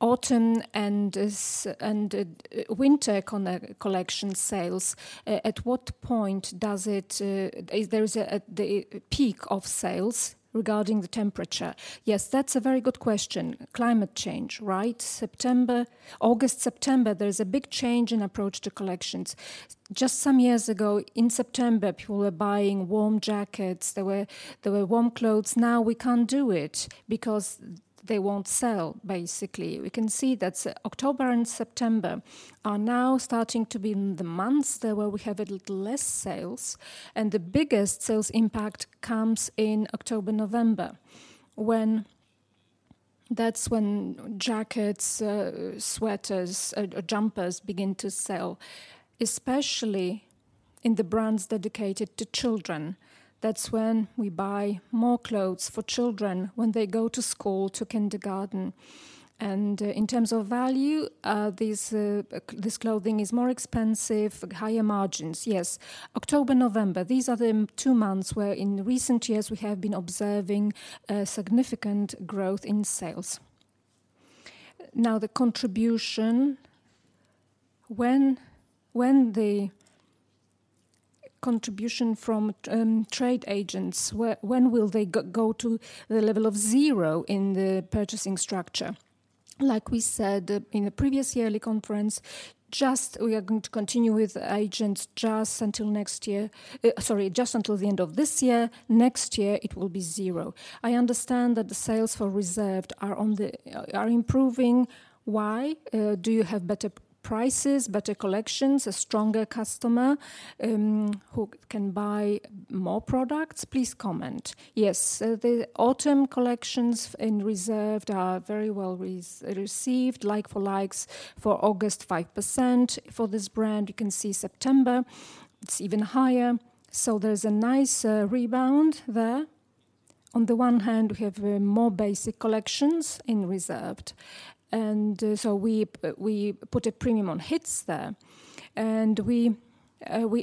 autumn and, winter collection sales? At what point does it- Is there a peak of sales regarding the temperature? Yes, that's a very good question. Climate change, right? September, August, September, there is a big change in approach to collections. Just some years ago, in September, people were buying warm jackets. There were warm clothes. Now, we can't do it because they won't sell, basically. We can see that October and September are now starting to be the months where we have a little less sales, and the biggest sales impact comes in October, November, when that's when jackets, sweaters, jumpers begin to sell, especially in the brands dedicated to children. That's when we buy more clothes for children, when they go to school, to kindergarten, and in terms of value, these this clothing is more expensive, higher margins. Yes, October, November, these are the two months where in recent years we have been observing significant growth in sales. Now, the contribution from trade agents, when will they go to the level of zero in the purchasing structure? Like we said in the previous yearly conference, just we are going to continue with agents just until next year, just until the end of this year. Next year, it will be zero. I understand that the sales for Reserved are improving. Why? Do you have better prices, better collections, a stronger customer who can buy more products? Please comment. Yes. So the autumn collections in Reserved are very well received, like for likes for August, 5%. For this brand, you can see September; it's even higher, so there's a nice rebound there. On the one hand, we have more basic collections in Reserved, and so we put a premium on hits there. And we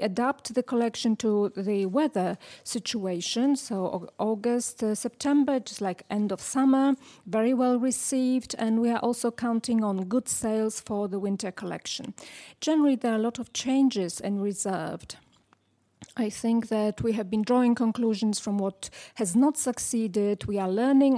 adapt the collection to the weather situation. So August, September, just like end of summer, very well received, and we are also counting on good sales for the winter collection. Generally, there are a lot of changes in Reserved. I think that we have been drawing conclusions from what has not succeeded. We are learning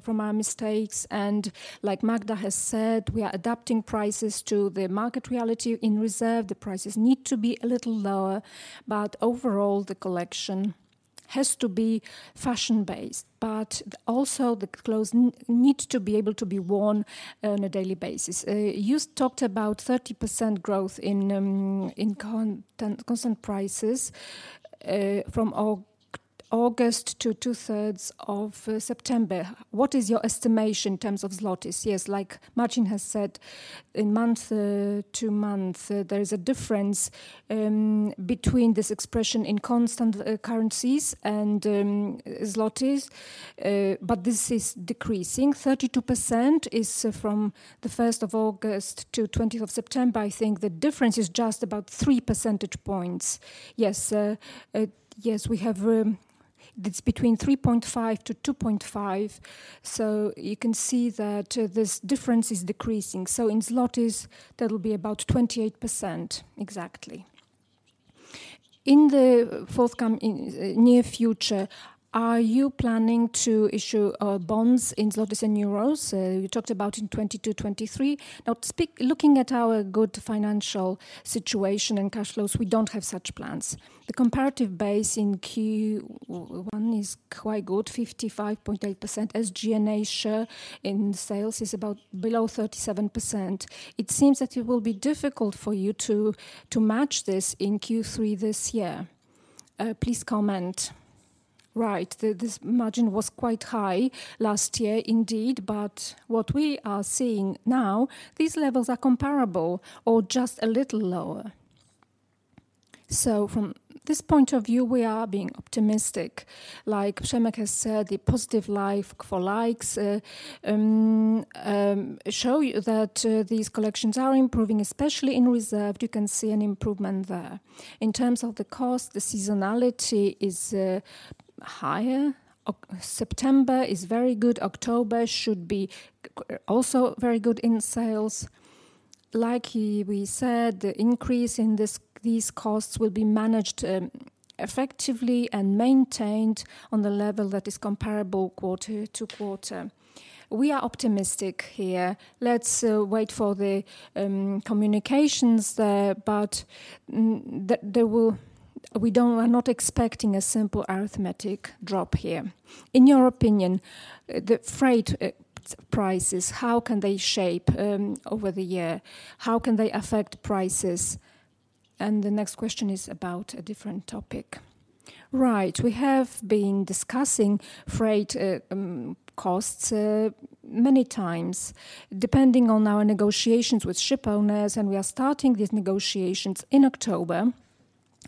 from our mistakes, and like Magda has said, we are adapting prices to the market reality. In Reserved, the prices need to be a little lower, but overall, the collection has to be fashion-based, but also the clothes need to be able to be worn on a daily basis. You talked about 30% growth in constant currencies from August to 2/3 of September. What is your estimation in terms of zlotys? Yes, like Marcin has said, in month to month, there is a difference between this expression in constant currencies and zlotys, but this is decreasing. 32% is from the 1st of August to 20th of September. I think the difference is just about three percentage points. Yes, yes, we have. It's between 3.5 to 2.5, so you can see that this difference is decreasing. So in zloty, that will be about 28% exactly. In the forthcoming near future, are you planning to issue bonds in zloty and euros? You talked about in 2022, 2023. Now, looking at our good financial situation and cash flows, we don't have such plans. The comparative base in Q1 is quite good, 55.8%, as SG&A share in sales is about below 37%. It seems that it will be difficult for you to match this in Q3 this year. Please comment. Right. This margin was quite high last year, indeed, but what we are seeing now, these levels are comparable or just a little lower. So from this point of view, we are being optimistic. Like Przemy has said, the positive LFL show that these collections are improving, especially in Reserved. You can see an improvement there. In terms of the cost, the seasonality is higher. October, September is very good, October should be quite also very good in sales. Like we said, the increase in these costs will be managed effectively and maintained on the level that is comparable quarter to quarter. We are optimistic here. Let's wait for the communications there, but there will. We don't-- we're not expecting a simple arithmetic drop here. In your opinion, the freight prices, how can they shape over the year? How can they affect prices? And the next question is about a different topic. Right. We have been discussing freight costs many times, depending on our negotiations with shipowners, and we are starting these negotiations in October,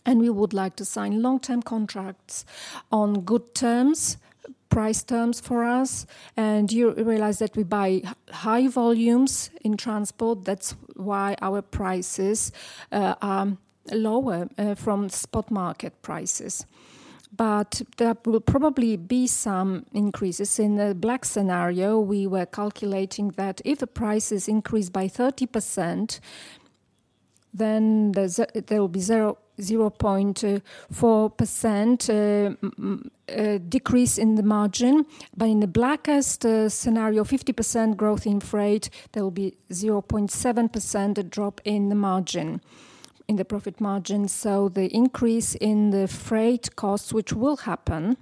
and we would like to sign long-term contracts on good terms, price terms for us. You realize that we buy high volumes in transport, that's why our prices are lower from spot market prices. But there will probably be some increases. In the black scenario, we were calculating that if the prices increased by 30%, then there will be 0.4% decrease in the margin. But in the blackest scenario, 50% growth in freight, there will be 0.7% drop in the margin, in the profit margin. The increase in the freight costs, which will happen,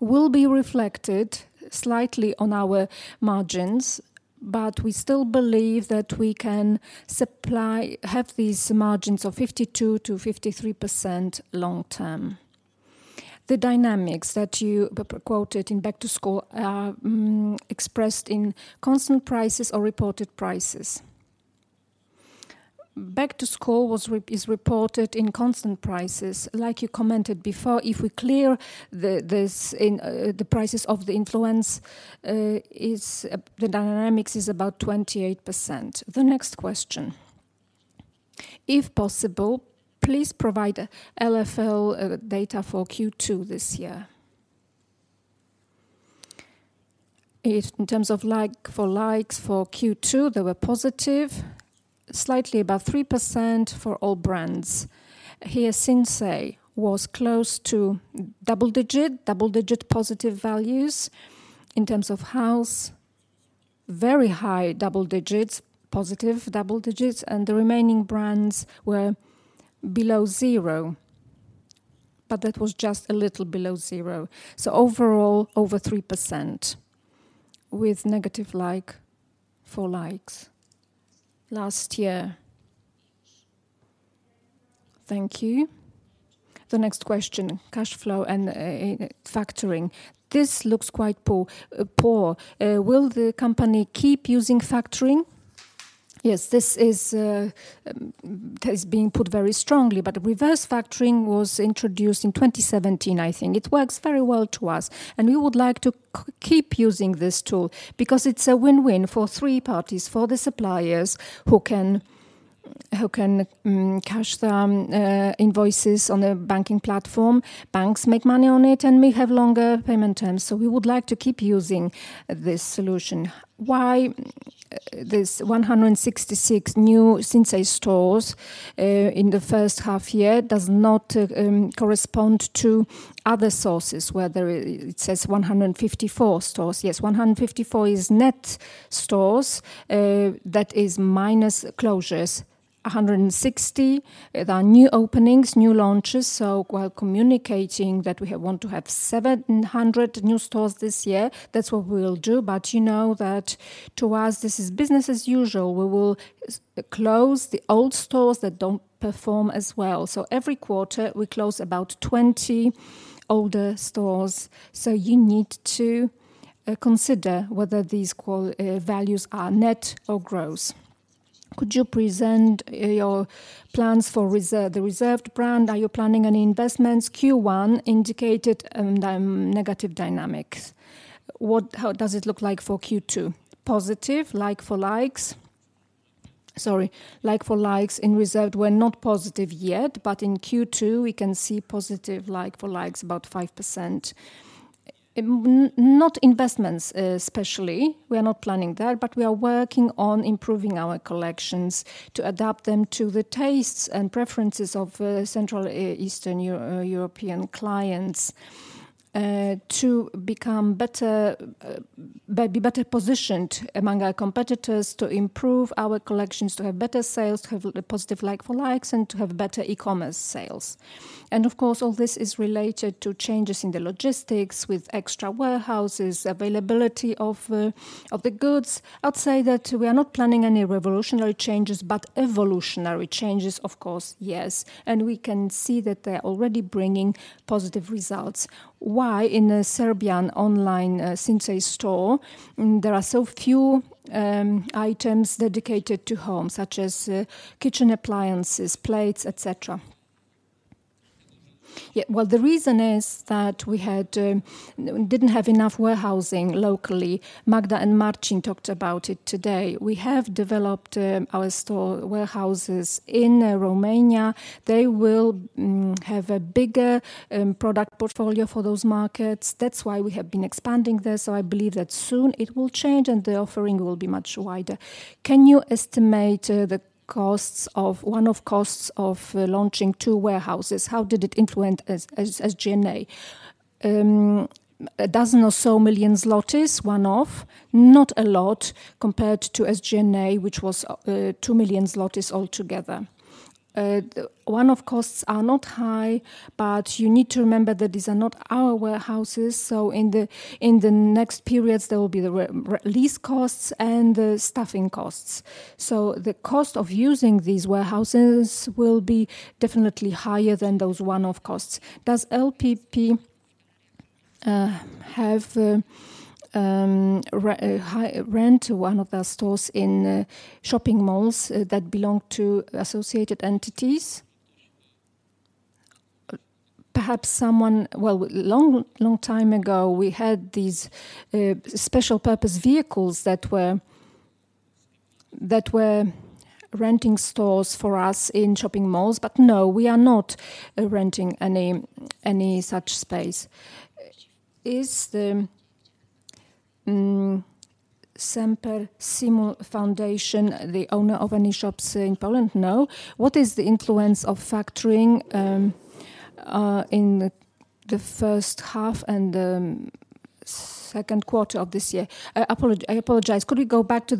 will be reflected slightly on our margins, but we still believe that we can supply, have these margins of 52%-53% long term. The dynamics that you quoted in Back to School are expressed in constant prices or reported prices. Back to School is reported in constant prices. Like you commented before, if we clear the influence of the prices, the dynamics is about 28%. The next question: If possible, please provide LFL data for Q2 this year. In terms of like for likes, for Q2, they were positive, slightly above 3% for all brands. Here, Sinsay was close to double digit positive values. In terms of House, very high double digits, positive double digits, and the remaining brands were below zero, but that was just a little below zero. So overall, over 3%, with negative like-for-likes last year. Thank you. The next question, cash flow and factoring. This looks quite poor. Will the company keep using factoring? Yes, this is being put very strongly, but reverse factoring was introduced in 2017, I think. It works very well to us, and we would like to keep using this tool because it's a win-win for three parties: for the suppliers, who can cash their invoices on a banking platform, banks make money on it, and we have longer payment terms. So we would like to keep using this solution. Why this 166 new Sinsay stores in the first half year does not correspond to other sources, whether it says 154 stores. Yes, 154 is net stores, that is minus closures. 160, there are new openings, new launches, so while communicating that we have want to have 700 new stores this year, that's what we will do. But you know that to us, this is business as usual. We will close the old stores that don't perform as well. So every quarter, we close about 20 older stores, so you need to consider whether these qualitative values are net or gross. Could you present your plans for the Reserved brand? Are you planning any investments? Q1 indicated negative dynamics. What, how does it look like for Q2? Positive, like-for-likes in Reserved were not positive yet, but in Q2, we can see positive like-for-likes, about 5%. Not investments, especially, we are not planning that, but we are working on improving our collections to adapt them to the tastes and preferences of Central Eastern European clients, to become better, be better positioned among our competitors, to improve our collections, to have better sales, to have a positive like-for-likes, and to have better e-commerce sales. And of course, all this is related to changes in the logistics with extra warehouses, availability of the goods. I'd say that we are not planning any revolutionary changes, but evolutionary changes, of course, yes, and we can see that they're already bringing positive results. Why in the Serbian online Sinsay store there are so few items dedicated to home, such as kitchen appliances, plates, et cetera? Yeah, well, the reason is that we didn't have enough warehousing locally. Magda and Marcin talked about it today. We have developed our store warehouses in Romania. They will have a bigger product portfolio for those markets. That's why we have been expanding there, so I believe that soon it will change and the offering will be much wider. Can you estimate the costs of one-off costs of launching two warehouses? How did it influence SG&A? A dozen or so million zlotys, one-off, not a lot compared to SG&A, which was 2 million zlotys altogether. The one-off costs are not high, but you need to remember that these are not our warehouses, so in the next periods, there will be the release costs and the staffing costs. So the cost of using these warehouses will be definitely higher than those one-off costs. Does LPP have to re-rent one of their stores in shopping malls that belong to associated entities? Perhaps someone. Well, a long time ago, we had these special purpose vehicles that were renting stores for us in shopping malls, but no, we are not renting any such space. Is the Semper Simul Foundation the owner of any shops in Poland? No. What is the influence of factoring in the first half and second quarter of this year? I apologize. Could we go back to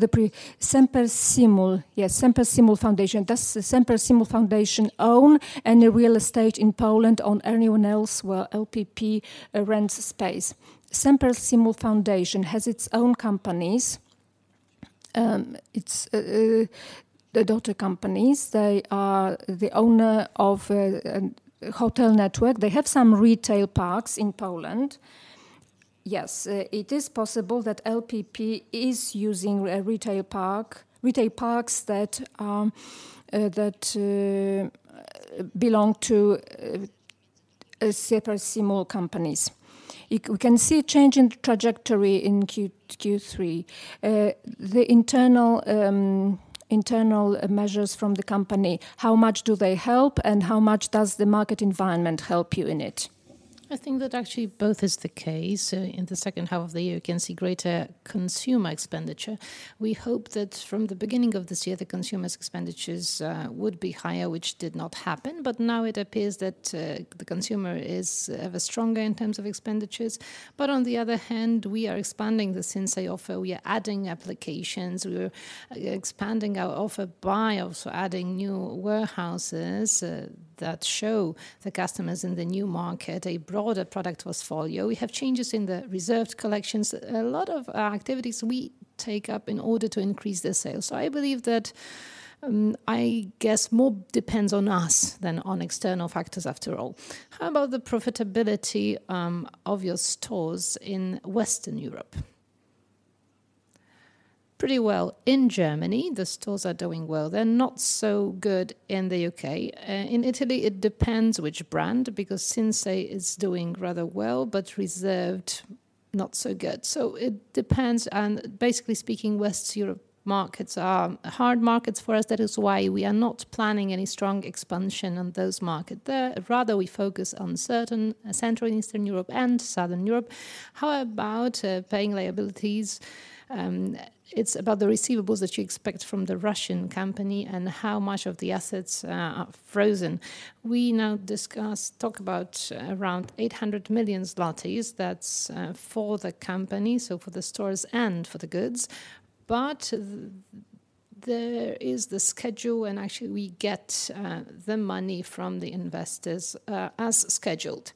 Semper Simul. Yes, Semper Simul Foundation. Does the Semper Simul Foundation own any real estate in Poland or anyone else where LPP rents space? Semper Simul Foundation has its own companies, it's the daughter companies. They are the owner of hotel network. They have some retail parks in Poland. Yes, it is possible that LPP is using a retail park, retail parks that that belong to Semper Simul companies. We can see a change in trajectory in Q3. The internal measures from the company, how much do they help, and how much does the market environment help you in it? I think that actually both is the case. In the second half of the year, you can see greater consumer expenditure. We hope that from the beginning of this year, the consumers' expenditures would be higher, which did not happen, but now it appears that the consumer is ever stronger in terms of expenditures, but on the other hand, we are expanding the Sinsay offer. We are adding applications. We are expanding our offer by also adding new warehouses that show the customers in the new market a broader product portfolio. We have changes in the Reserved collections. A lot of activities we take up in order to increase the sales, so I believe that I guess more depends on us than on external factors, after all. How about the profitability of your stores in Western Europe? Pretty well. In Germany, the stores are doing well. They're not so good in the U.K. In Italy, it depends which brand, because Sinsay is doing rather well, but Reserved, not so good. So it depends, and basically speaking, Western Europe markets are hard markets for us. That is why we are not planning any strong expansion on those markets there. Rather, we focus on certain Central and Eastern Europe and Southern Europe. How about paying liabilities? It's about the receivables that you expect from the Russian company and how much of the assets are frozen. We now discuss, talk about, around 800 million zlotys. That's, for the company, so for the stores and for the goods. But there is the schedule, and actually, we get, the money from the investors, as scheduled.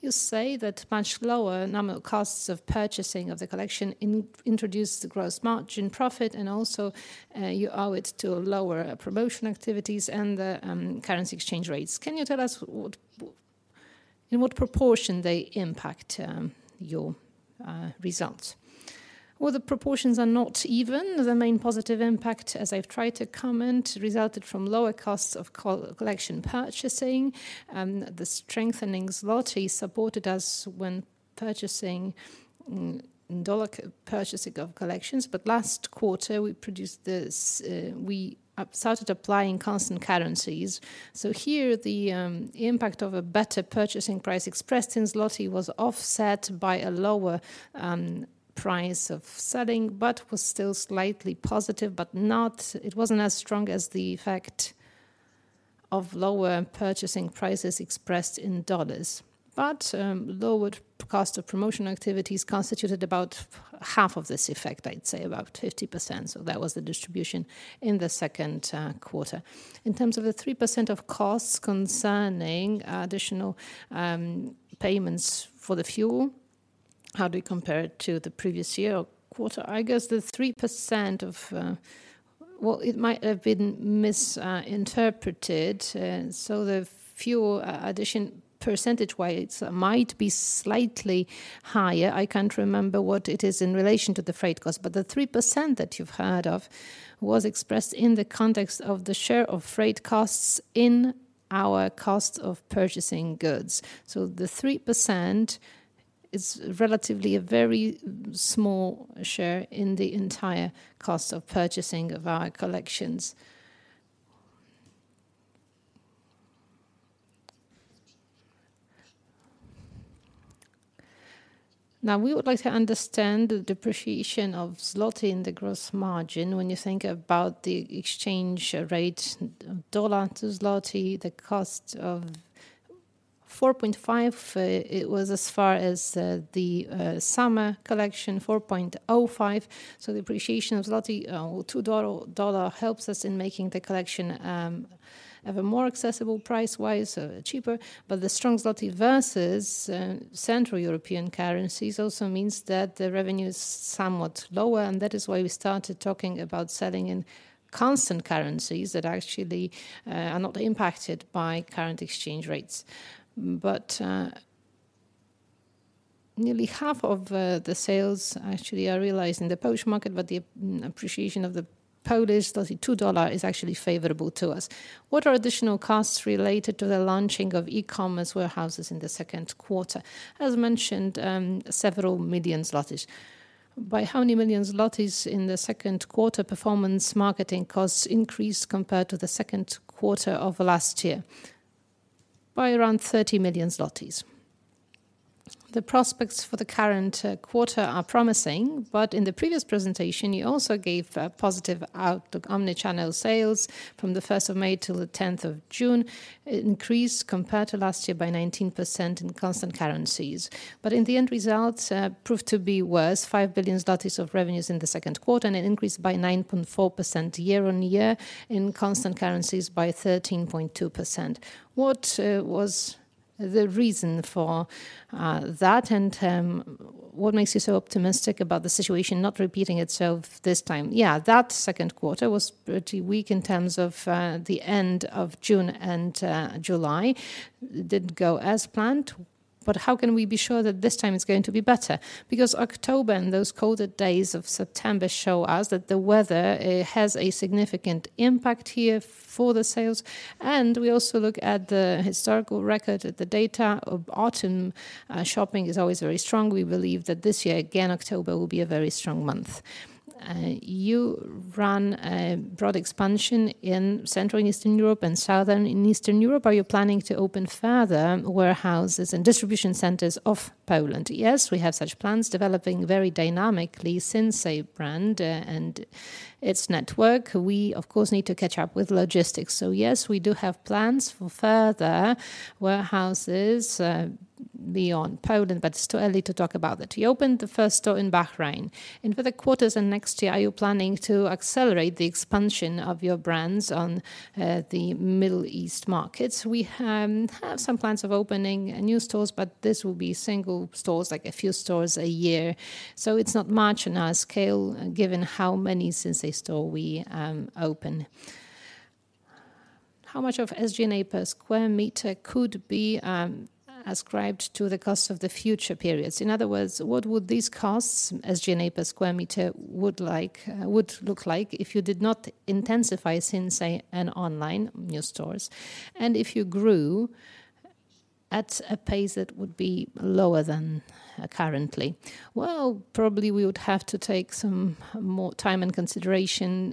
You say that much lower normal costs of purchasing of the collection introduce the gross margin profit, and also, you owe it to lower promotion activities and the currency exchange rates. Can you tell us what, w- in what proportion they impact, your, results? Well, the proportions are not even. The main positive impact, as I've tried to comment, resulted from lower costs of collection purchasing, the strengthening zloty supported us when purchasing, dollar purchasing of collections. But last quarter, we started applying constant currencies. So here, the impact of a better purchasing price expressed in zloty was offset by a lower price of selling, but was still slightly positive, but not- It wasn't as strong as the effect of lower purchasing prices expressed in dollars. But, lowered cost of promotion activities constituted about half of this effect, I'd say about 50%. So that was the distribution in the second quarter. In terms of the 3% of costs concerning additional payments for the fuel, how do you compare it to the previous year or quarter? I guess the 3% of, well, it might have been misinterpreted. So the fuel addition, percentage-wise, might be slightly higher. I can't remember what it is in relation to the freight cost, but the 3% that you've heard of was expressed in the context of the share of freight costs in our cost of purchasing goods. So the 3% is relatively a very small share in the entire cost of purchasing of our collections. Now, we would like to understand the depreciation of zloty in the gross margin? When you think about the exchange rate, dollar to zloty, the cost of 4.5. It was as far as the summer collection, 4.05. So the appreciation of zloty to dollar helps us in making the collection have a more accessible price-wise, cheaper. But the strong zloty versus Central European currencies also means that the revenue is somewhat lower, and that is why we started talking about selling in constant currencies that actually are not impacted by current exchange rates. But nearly half of the sales actually are realized in the Polish market, but the appreciation of the Polish zloty to dollar is actually favorable to us. What are additional costs related to the launching of e-commerce warehouses in the second quarter? As mentioned, several million zlotys. By how many millions zlotys in the second quarter performance marketing costs increased compared to the second quarter of last year. By around 30 million zlotys. The prospects for the current quarter are promising, but in the previous presentation, you also gave a positive outlook. Omnichannel sales from the first of May till the tenth of June increased compared to last year by 19% in constant currencies. But in the end, results proved to be worse, PLN 5 billion of revenues in the second quarter, and an increase by 9.4% year-on-year, in constant currencies by 13.2%. What was the reason for that, and what makes you so optimistic about the situation not repeating itself this time? Yeah, that second quarter was pretty weak in terms of the end of June and July. Didn't go as planned, but how can we be sure that this time is going to be better? Because October and those colder days of September show us that the weather has a significant impact here for the sales, and we also look at the historical record, at the data. Autumn shopping is always very strong. We believe that this year, again, October will be a very strong month. You run a broad expansion in Central and Eastern Europe and Southern and Eastern Europe. Are you planning to open further warehouses and distribution centers of Poland? Yes, we have such plans developing very dynamically, Sinsay brand and its network. We, of course, need to catch up with logistics. So yes, we do have plans for further warehouses beyond Poland, but it's too early to talk about that. You opened the first store in Bahrain. In further quarters and next year, are you planning to accelerate the expansion of your brands on the Middle East markets? We have some plans of opening new stores, but this will be single stores, like a few stores a year. So it's not much on our scale, given how many Sinsay store we open. How much of SG&A per square meter could be ascribed to the cost of the future periods? In other words, what would these costs, SG&A per square meter, would look like if you did not intensify Sinsay and online new stores, and if you grew at a pace that would be lower than currently? Well, probably we would have to take some more time and consideration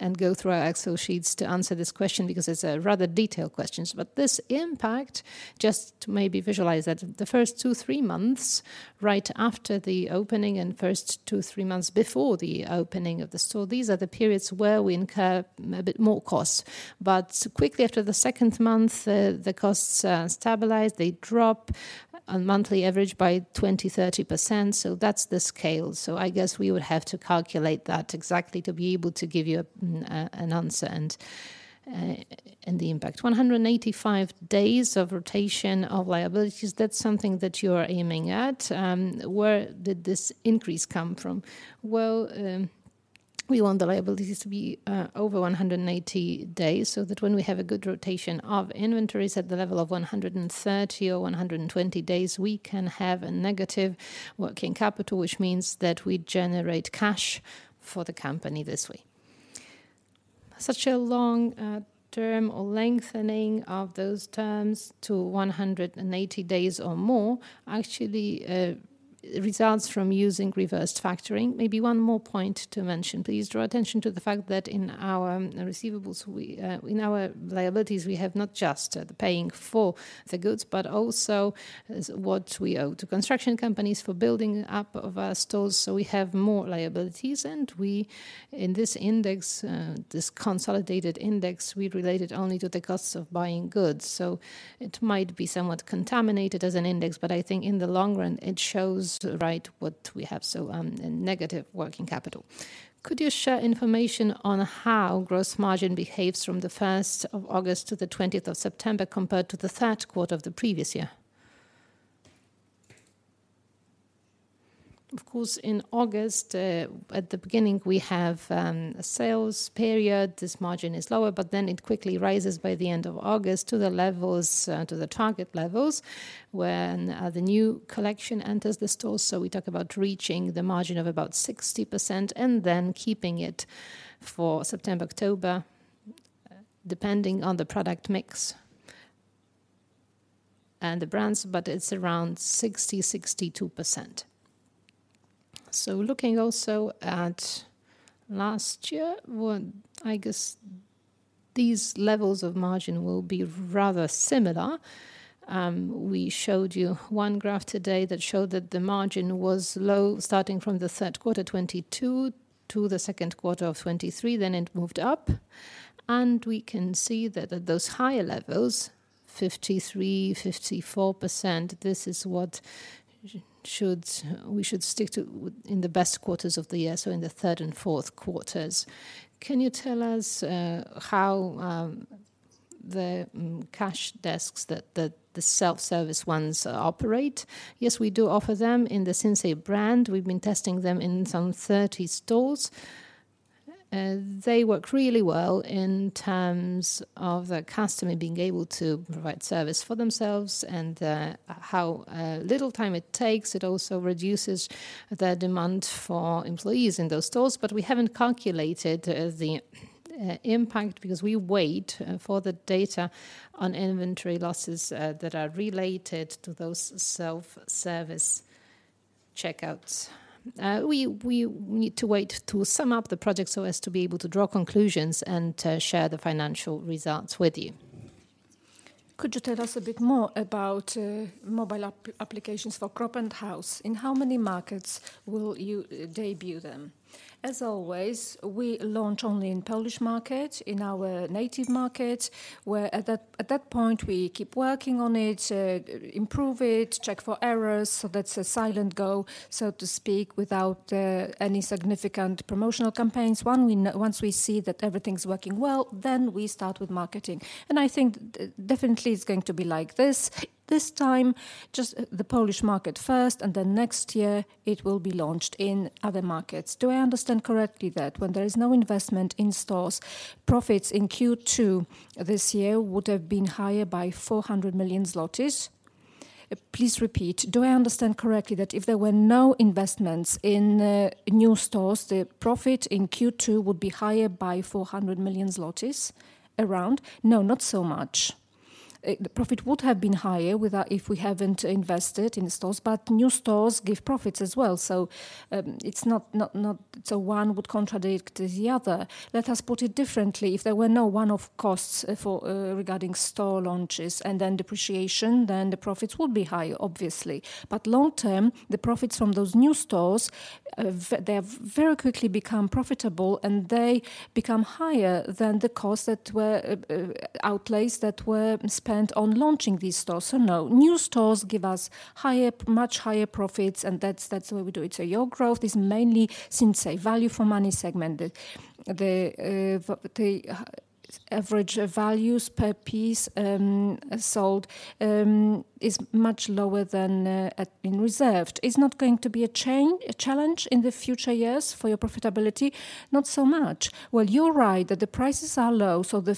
and go through our Excel sheets to answer this question because it's a rather detailed question. But this impact, just to maybe visualize that, the first two, three months, right after the opening and first two, three months before the opening of the store, these are the periods where we incur a bit more costs. But quickly after the second month, the costs stabilize, they drop on monthly average by 20%-30%, so that's the scale. So I guess we would have to calculate that exactly to be able to give you an answer and the impact. 185 days of rotation of liabilities, is that something that you are aiming at? Where did this increase come from? Well, we want the liabilities to be over 180 days, so that when we have a good rotation of inventories at the level of 130 or 120 days, we can have a negative working capital, which means that we generate cash for the company this way. Such a long term or lengthening of those terms to 180 days or more, actually, results from using reverse factoring. Maybe one more point to mention, please draw attention to the fact that in our liabilities, we have not just the paying for the goods, but also what we owe to construction companies for building up of our stores, so we have more liabilities. We, in this index, this consolidated index, we relate it only to the costs of buying goods. So it might be somewhat contaminated as an index, but I think in the long run, it shows, right, what we have, so, a negative working capital. Could you share information on how gross margin behaves from the 1st of August to the 20th of September, compared to the third quarter of the previous year? Of course, in August, at the beginning, we have a sales period. This margin is lower, but then it quickly rises by the end of August to the levels, to the target levels, when the new collection enters the store. So we talk about reaching the margin of about 60% and then keeping it for September, October, depending on the product mix and the brands, but it's around 60%-62%. So looking also at last year, well, I guess these levels of margin will be rather similar. We showed you one graph today that showed that the margin was low, starting from the third quarter, 2022 to the second quarter of 2023, then it moved up. And we can see that at those higher levels, 53%-54%, this is what should, we should stick to in the best quarters of the year, so in the third and fourth quarters. Can you tell us how the cash desks, the self-service ones operate? Yes, we do offer them in the Sinsay brand. We've been testing them in some 30 stores. They work really well in terms of the customer being able to provide service for themselves and how little time it takes. It also reduces the demand for employees in those stores. But we haven't calculated the impact because we wait for the data on inventory losses that are related to those self-service checkouts. We need to wait to sum up the project so as to be able to draw conclusions and to share the financial results with you. Could you tell us a bit more about mobile applications for Cropp and House? In how many markets will you debut them? As always, we launch only in Polish market, in our native market, where at that, at that point, we keep working on it, improve it, check for errors, so that's a silent go, so to speak, without any significant promotional campaigns. Once we see that everything's working well, then we start with marketing, and I think definitely, it's going to be like this. This time, just the Polish market first, and then next year it will be launched in other markets. Do I understand correctly that when there is no investment in stores, profits in Q2 this year would have been higher by 400 million zlotys? Please repeat. Do I understand correctly that if there were no investments in new stores, the profit in Q2 would be higher by 400 million zlotys? Around. No, not so much. The profit would have been higher without, if we haven't invested in stores, but new stores give profits as well, so it's not so one would contradict the other. Let us put it differently. If there were no one-off costs for regarding store launches and then depreciation, then the profits would be high, obviously. But long term, the profits from those new stores they have very quickly become profitable, and they become higher than the costs that were outlays that were spent on launching these stores. So no, new stores give us higher, much higher profits, and that's the way we do it. Your growth is mainly Sinsay value for money segment. The average values per piece sold is much lower than in Reserved. It's not going to be a challenge in the future years for your profitability? Not so much. Well, you're right that the prices are low, so the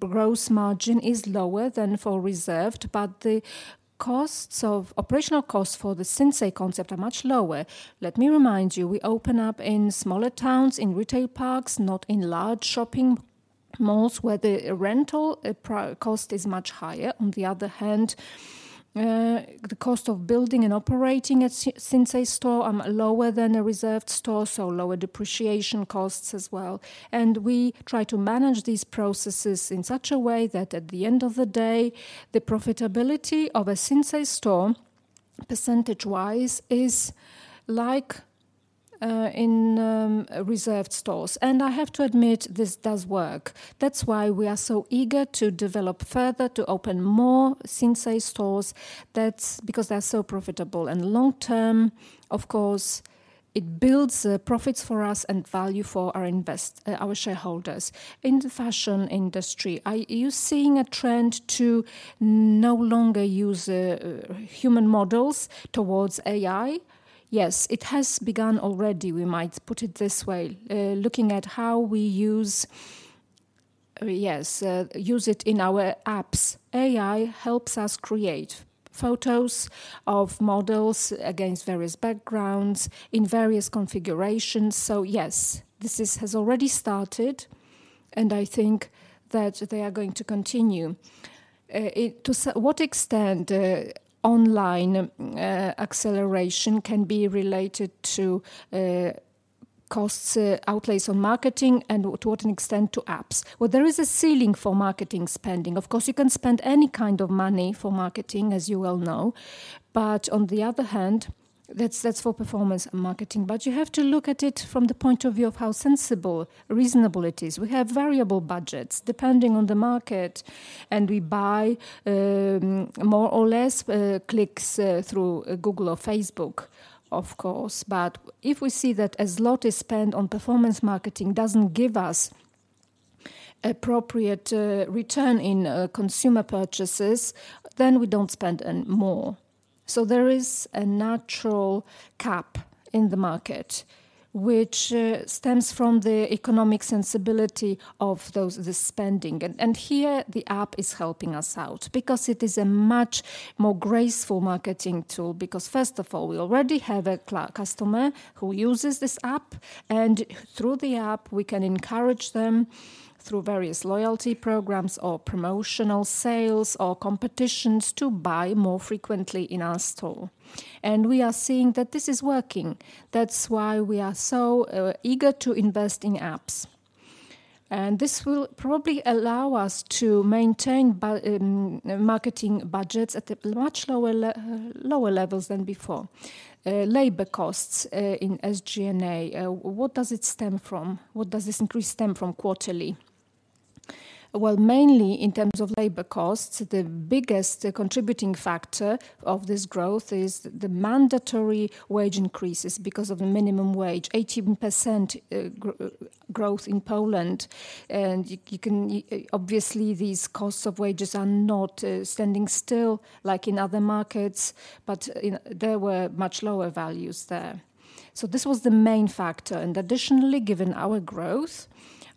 gross margin is lower than for Reserved, but the operational costs for the Sinsay concept are much lower. Let me remind you, we open up in smaller towns, in retail parks, not in large shopping malls, where the rental cost is much higher. On the other hand, the cost of building and operating a Sinsay store are lower than a Reserved store, so lower depreciation costs as well. And we try to manage these processes in such a way that at the end of the day, the profitability of a Sinsay store, percentage-wise, is like in Reserved stores. I have to admit, this does work. That's why we are so eager to develop further, to open more Sinsay stores. That's because they're so profitable, and long term, of course, it builds, profits for us and value for our invest- our shareholders. In the fashion industry, are you seeing a trend to no longer use, human models towards AI? Yes, it has begun already, we might put it this way. Looking at how we use, yes, use it in our apps. AI helps us create photos of models against various backgrounds, in various configurations. So yes, this is, has already started, and I think that they are going to continue. It, to s- what extent, online, acceleration can be related to, costs, outlays on marketing, and to what extent to apps? There is a ceiling for marketing spending. Of course, you can spend any kind of money for marketing, as you well know, but on the other hand, that's for performance marketing. But you have to look at it from the point of view of how sensible, reasonable it is. We have variable budgets, depending on the market, and we buy more or less clicks through Google or Facebook, of course. But if we see that a lot is spent on performance marketing doesn't give us appropriate return in consumer purchases, then we don't spend any more. So there is a natural cap in the market, which stems from the economic sensibility of those, the spending. And here, the app is helping us out because it is a much more graceful marketing tool. Because, first of all, we already have a customer who uses this app, and through the app, we can encourage them, through various loyalty programs or promotional sales or competitions, to buy more frequently in our store. And we are seeing that this is working. That's why we are so eager to invest in apps. And this will probably allow us to maintain marketing budgets at a much lower levels than before. Labor costs in SG&A, what does it stem from? What does this increase stem from quarterly? Well, mainly in terms of labor costs, the biggest contributing factor of this growth is the mandatory wage increases because of the minimum wage, 18% growth in Poland. And you can. Obviously, these costs of wages are not standing still like in other markets, but there were much lower values there. So this was the main factor, and additionally, given our growth,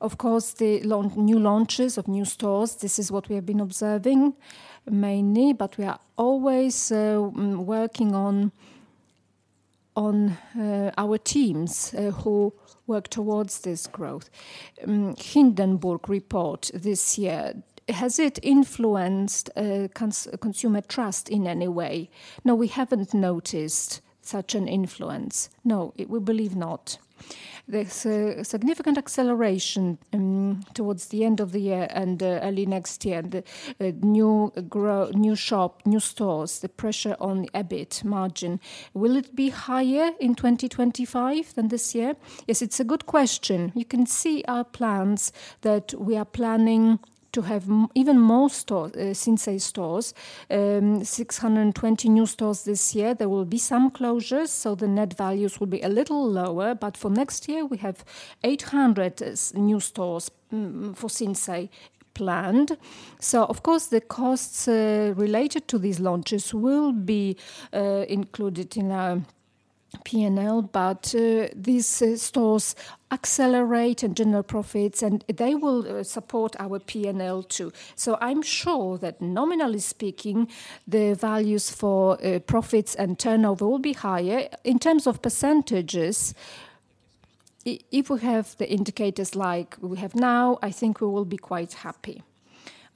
of course, the launch, new launches of new stores, this is what we have been observing mainly, but we are always working on our teams who work towards this growth. Hindenburg report this year, has it influenced consumer trust in any way? No, we haven't noticed such an influence. No, it, we believe not. There's a significant acceleration towards the end of the year and early next year. The new grow, new shop, new stores, the pressure on the EBIT margin, will it be higher in 2025 than this year? Yes, it's a good question. You can see our plans that we are planning to have even more stores, Sinsay stores, 620 new stores this year. There will be some closures, so the net values will be a little lower, but for next year, we have 800 new stores for Sinsay planned. So of course, the costs related to these launches will be included in our P&L, but these stores accelerate and generate profits, and they will support our P&L, too. So I'm sure that nominally speaking, the values for profits and turnover will be higher. In terms of percentages, if we have the indicators like we have now, I think we will be quite happy.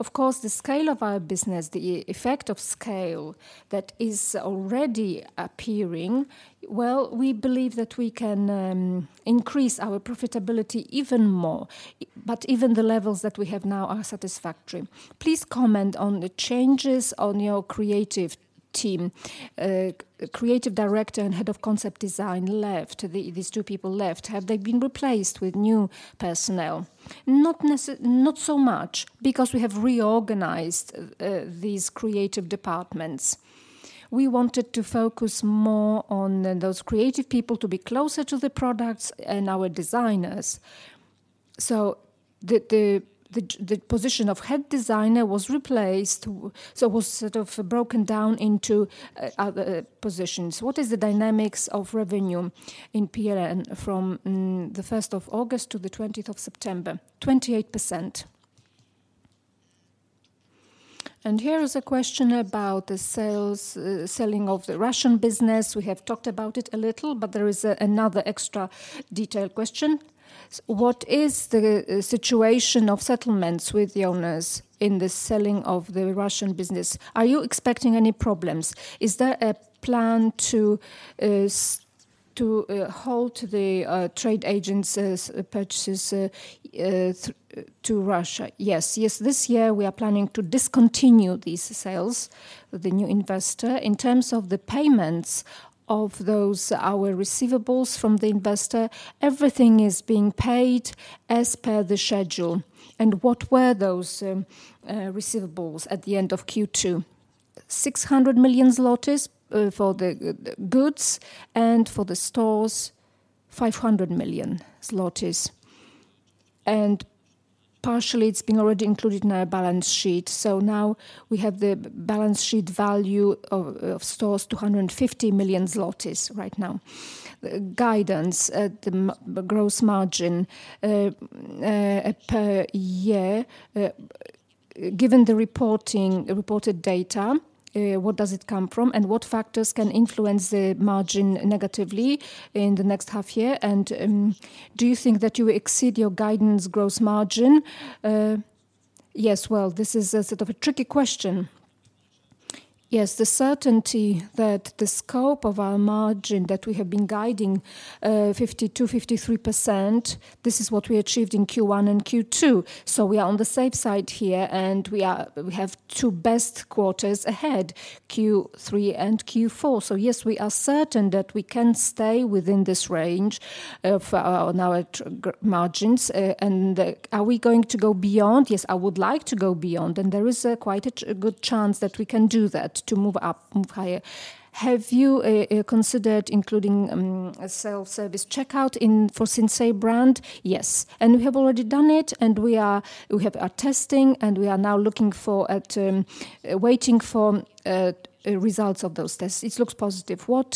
Of course, the scale of our business, the effect of scale that is already appearing, well, we believe that we can increase our profitability even more, but even the levels that we have now are satisfactory. Please comment on the changes on your creative team. Creative director and head of concept design left. These two people left. Have they been replaced with new personnel? Not so much because we have reorganized these creative departments. We wanted to focus more on those creative people to be closer to the products and our designers. So the position of head designer was replaced, so was sort of broken down into other positions. What is the dynamics of revenue in PLN from the 1st of August to the 20th of September? 28%. And here is a question about the sales, selling of the Russian business. We have talked about it a little, but there is another extra detailed question. What is the situation of settlements with the owners in the selling of the Russian business? Are you expecting any problems? Is there a plan to halt the trade agents' purchases to Russia? Yes. Yes, this year we are planning to discontinue these sales with the new investor. In terms of the payments of those, our receivables from the investor, everything is being paid as per the schedule. And what were those receivables at the end of Q2? 600 million zlotys for the goods, and for the stores, 500 million zlotys. Partially, it's been already included in our balance sheet, so now we have the balance sheet value of stores, 250 million zlotys right now. Guidance, the gross margin per year, given the reporting, the reported data, what does it come from, and what factors can influence the margin negatively in the next half year? Do you think that you exceed your guidance gross margin? Yes, this is a sort of a tricky question. Yes, the certainty that the scope of our margin that we have been guiding, 52%-53%, this is what we achieved in Q1 and Q2, so we are on the safe side here, and we have two best quarters ahead, Q3 and Q4. So yes, we are certain that we can stay within this range of our gross margins. Are we going to go beyond? Yes, I would like to go beyond, and there is quite a good chance that we can do that, to move up, move higher. Have you considered including a self-service checkout for Sinsay brand? Yes, and we have already done it, and we have a testing, and we are now looking at, waiting for results of those tests. It looks positive. What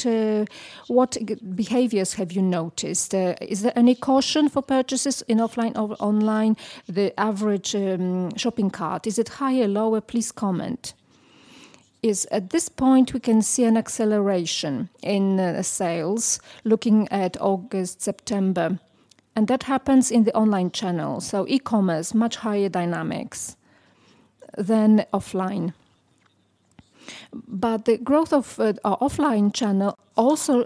behaviors have you noticed? Is there any caution for purchases in offline or online? The average shopping cart, is it higher, lower? Please comment. At this point, we can see an acceleration in sales, looking at August, September, and that happens in the online channel, so e-commerce, much higher dynamics than offline, but the growth of our offline channel also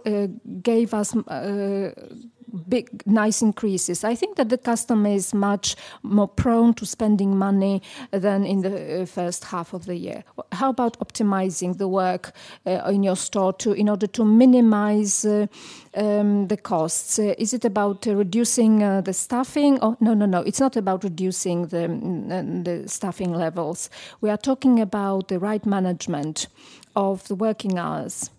gave us big, nice increases. I think that the customer is much more prone to spending money than in the first half of the year. How about optimizing the work in your store to, in order to minimize the costs? Is it about reducing the staffing or? No, no, no, it's not about reducing the staffing levels. We are talking about the right management of the working hours.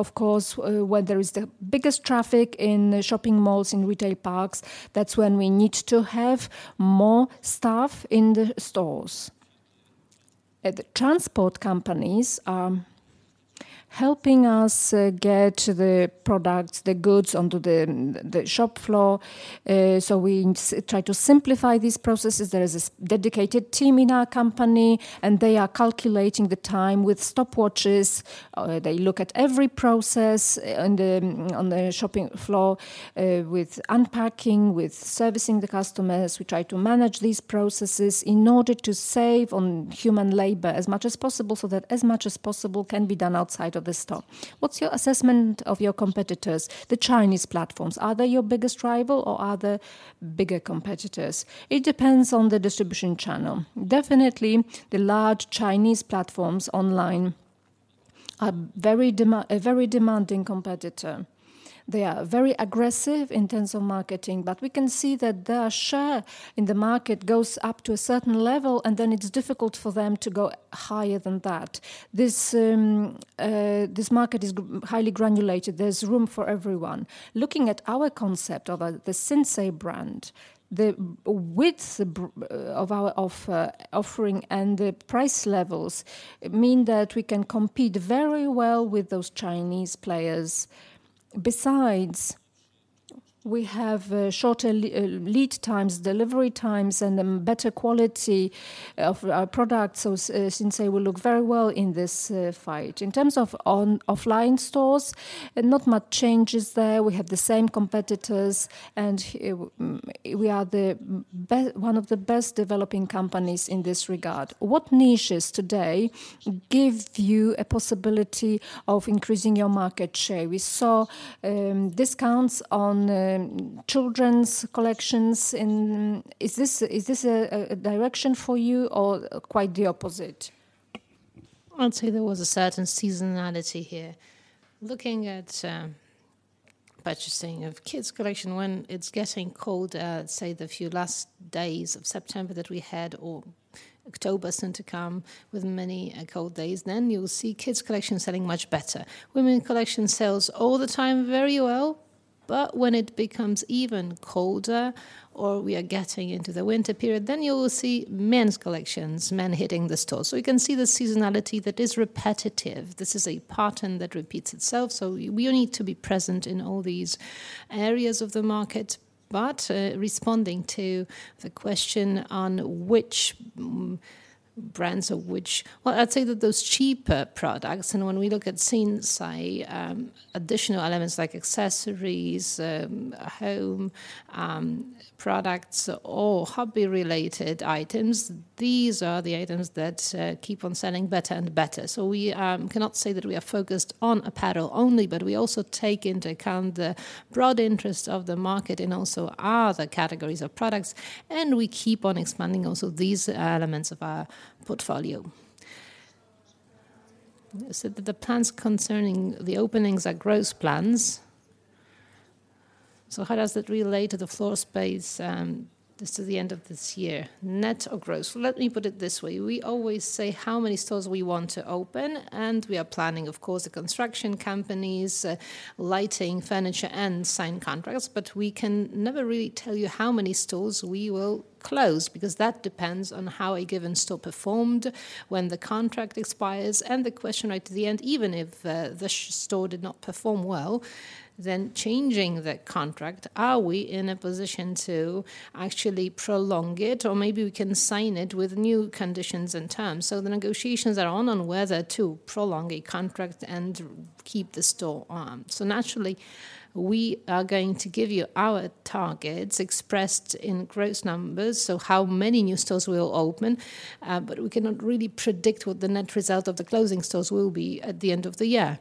Of course, when there is the biggest traffic in the shopping malls, in retail parks, that's when we need to have more staff in the stores. The transport companies are helping us get the products, the goods onto the shop floor. So we try to simplify these processes. There is a dedicated team in our company, and they are calculating the time with stopwatches. They look at every process on the shop floor, with unpacking, with servicing the customers. We try to manage these processes in order to save on human labor as much as possible, so that as much as possible can be done outside of the store. What's your assessment of your competitors, the Chinese platforms? Are they your biggest rival, or are there bigger competitors? It depends on the distribution channel. Definitely, the large Chinese platforms online are a very demanding competitor. They are very aggressive in terms of marketing, but we can see that their share in the market goes up to a certain level, and then it's difficult for them to go higher than that. This market is highly fragmented. There's room for everyone. Looking at our concept of the Sinsay brand, the width of our offering, and the price levels mean that we can compete very well with those Chinese players. Besides, we have shorter lead times, delivery times, and better quality of our products, so Sinsay will look very well in this fight. In terms of offline stores, not much changes there. We have the same competitors, and we are one of the best developing companies in this regard. What niches today give you a possibility of increasing your market share? We saw discounts on children's collections in- Is this a direction for you or quite the opposite? I'd say there was a certain seasonality here. Looking at purchasing of kids collection, when it's getting colder, say, the few last days of September that we had or October soon to come with many cold days, then you'll see kids collection selling much better. Women collection sells all the time very well, but when it becomes even colder or we are getting into the winter period, then you will see men's collections, men hitting the stores. So we can see the seasonality that is repetitive. This is a pattern that repeats itself, so we all need to be present in all these areas of the market. But responding to the question on which brands or which- I'd say that those cheaper products, and when we look at Sinsay, additional elements like accessories, home products, or hobby-related items, these are the items that keep on selling better and better. We cannot say that we are focused on apparel only, but we also take into account the broad interest of the market and also other categories of products, and we keep on expanding also these elements of our portfolio. The plans concerning the openings are growth plans. How does it relate to the floor space? This is the end of this year, net or gross. Let me put it this way. We always say how many stores we want to open, and we are planning, of course, the construction companies, lighting, furniture, and sign contracts. But we can never really tell you how many stores we will close, because that depends on how a given store performed, when the contract expires. And the question right to the end, even if the store did not perform well, then changing the contract, are we in a position to actually prolong it? Or maybe we can sign it with new conditions and terms. So the negotiations are on whether to prolong a contract and keep the store on. So naturally, we are going to give you our targets expressed in gross numbers, so how many new stores we will open, but we cannot really predict what the net result of the closing stores will be at the end of the year.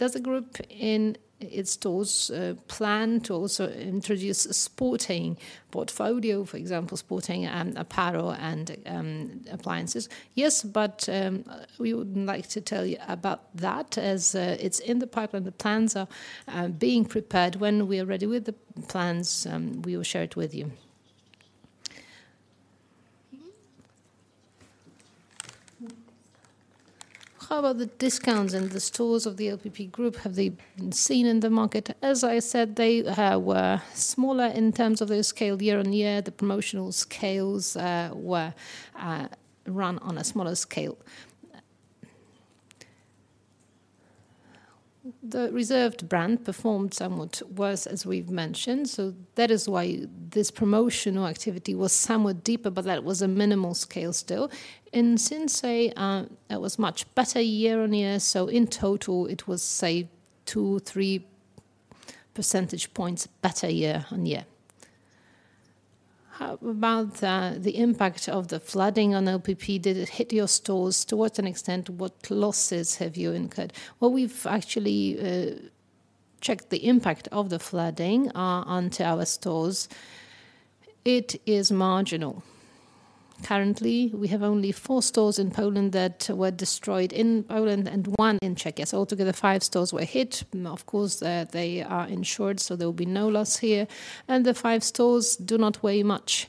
Does the group in its stores plan to also introduce a sporting portfolio, for example, sporting apparel and appliances? Yes, but, we would like to tell you about that as, it's in the pipeline. The plans are, being prepared. When we are ready with the plans, we will share it with you. How are the discounts in the stores of the LPP Group, have they been seen in the market? As I said, they, were smaller in terms of their scale year-on-year. The promotional scales, were, run on a smaller scale. The Reserved brand performed somewhat worse, as we've mentioned, so that is why this promotional activity was somewhat deeper, but that was a minimal scale still. In Sinsay, it was much better year-on-year, so in total it was, say, two, three percentage points better year-on-year. How about, the impact of the flooding on LPP? Did it hit your stores? To what extent? What losses have you incurred? Well, we've actually checked the impact of the flooding onto our stores. It is marginal. Currently, we have only four stores in Poland that were destroyed in Poland and one in Czechia. So altogether, five stores were hit. Of course, they are insured, so there will be no loss here, and the five stores do not weigh much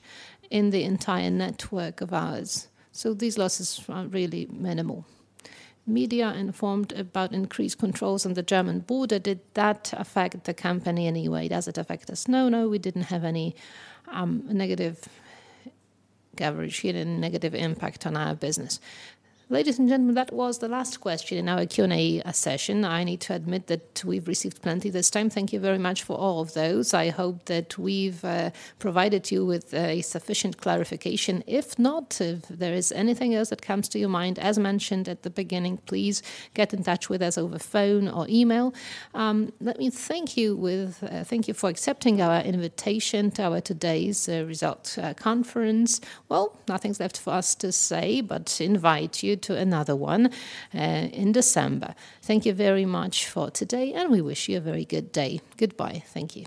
in the entire network of ours, so these losses are really minimal. Media informed about increased controls on the German border. Did that affect the company in any way? Does it affect us? No, no, we didn't have any negative coverage here and negative impact on our business. Ladies and gentlemen, that was the last question in our Q&A session. I need to admit that we've received plenty this time. Thank you very much for all of those. I hope that we've provided you with a sufficient clarification. If not, if there is anything else that comes to your mind, as mentioned at the beginning, please get in touch with us over phone or email. Let me thank you with- thank you for accepting our invitation to our today's results conference. Well, nothing's left for us to say but invite you to another one in December. Thank you very much for today, and we wish you a very good day. Goodbye. Thank you.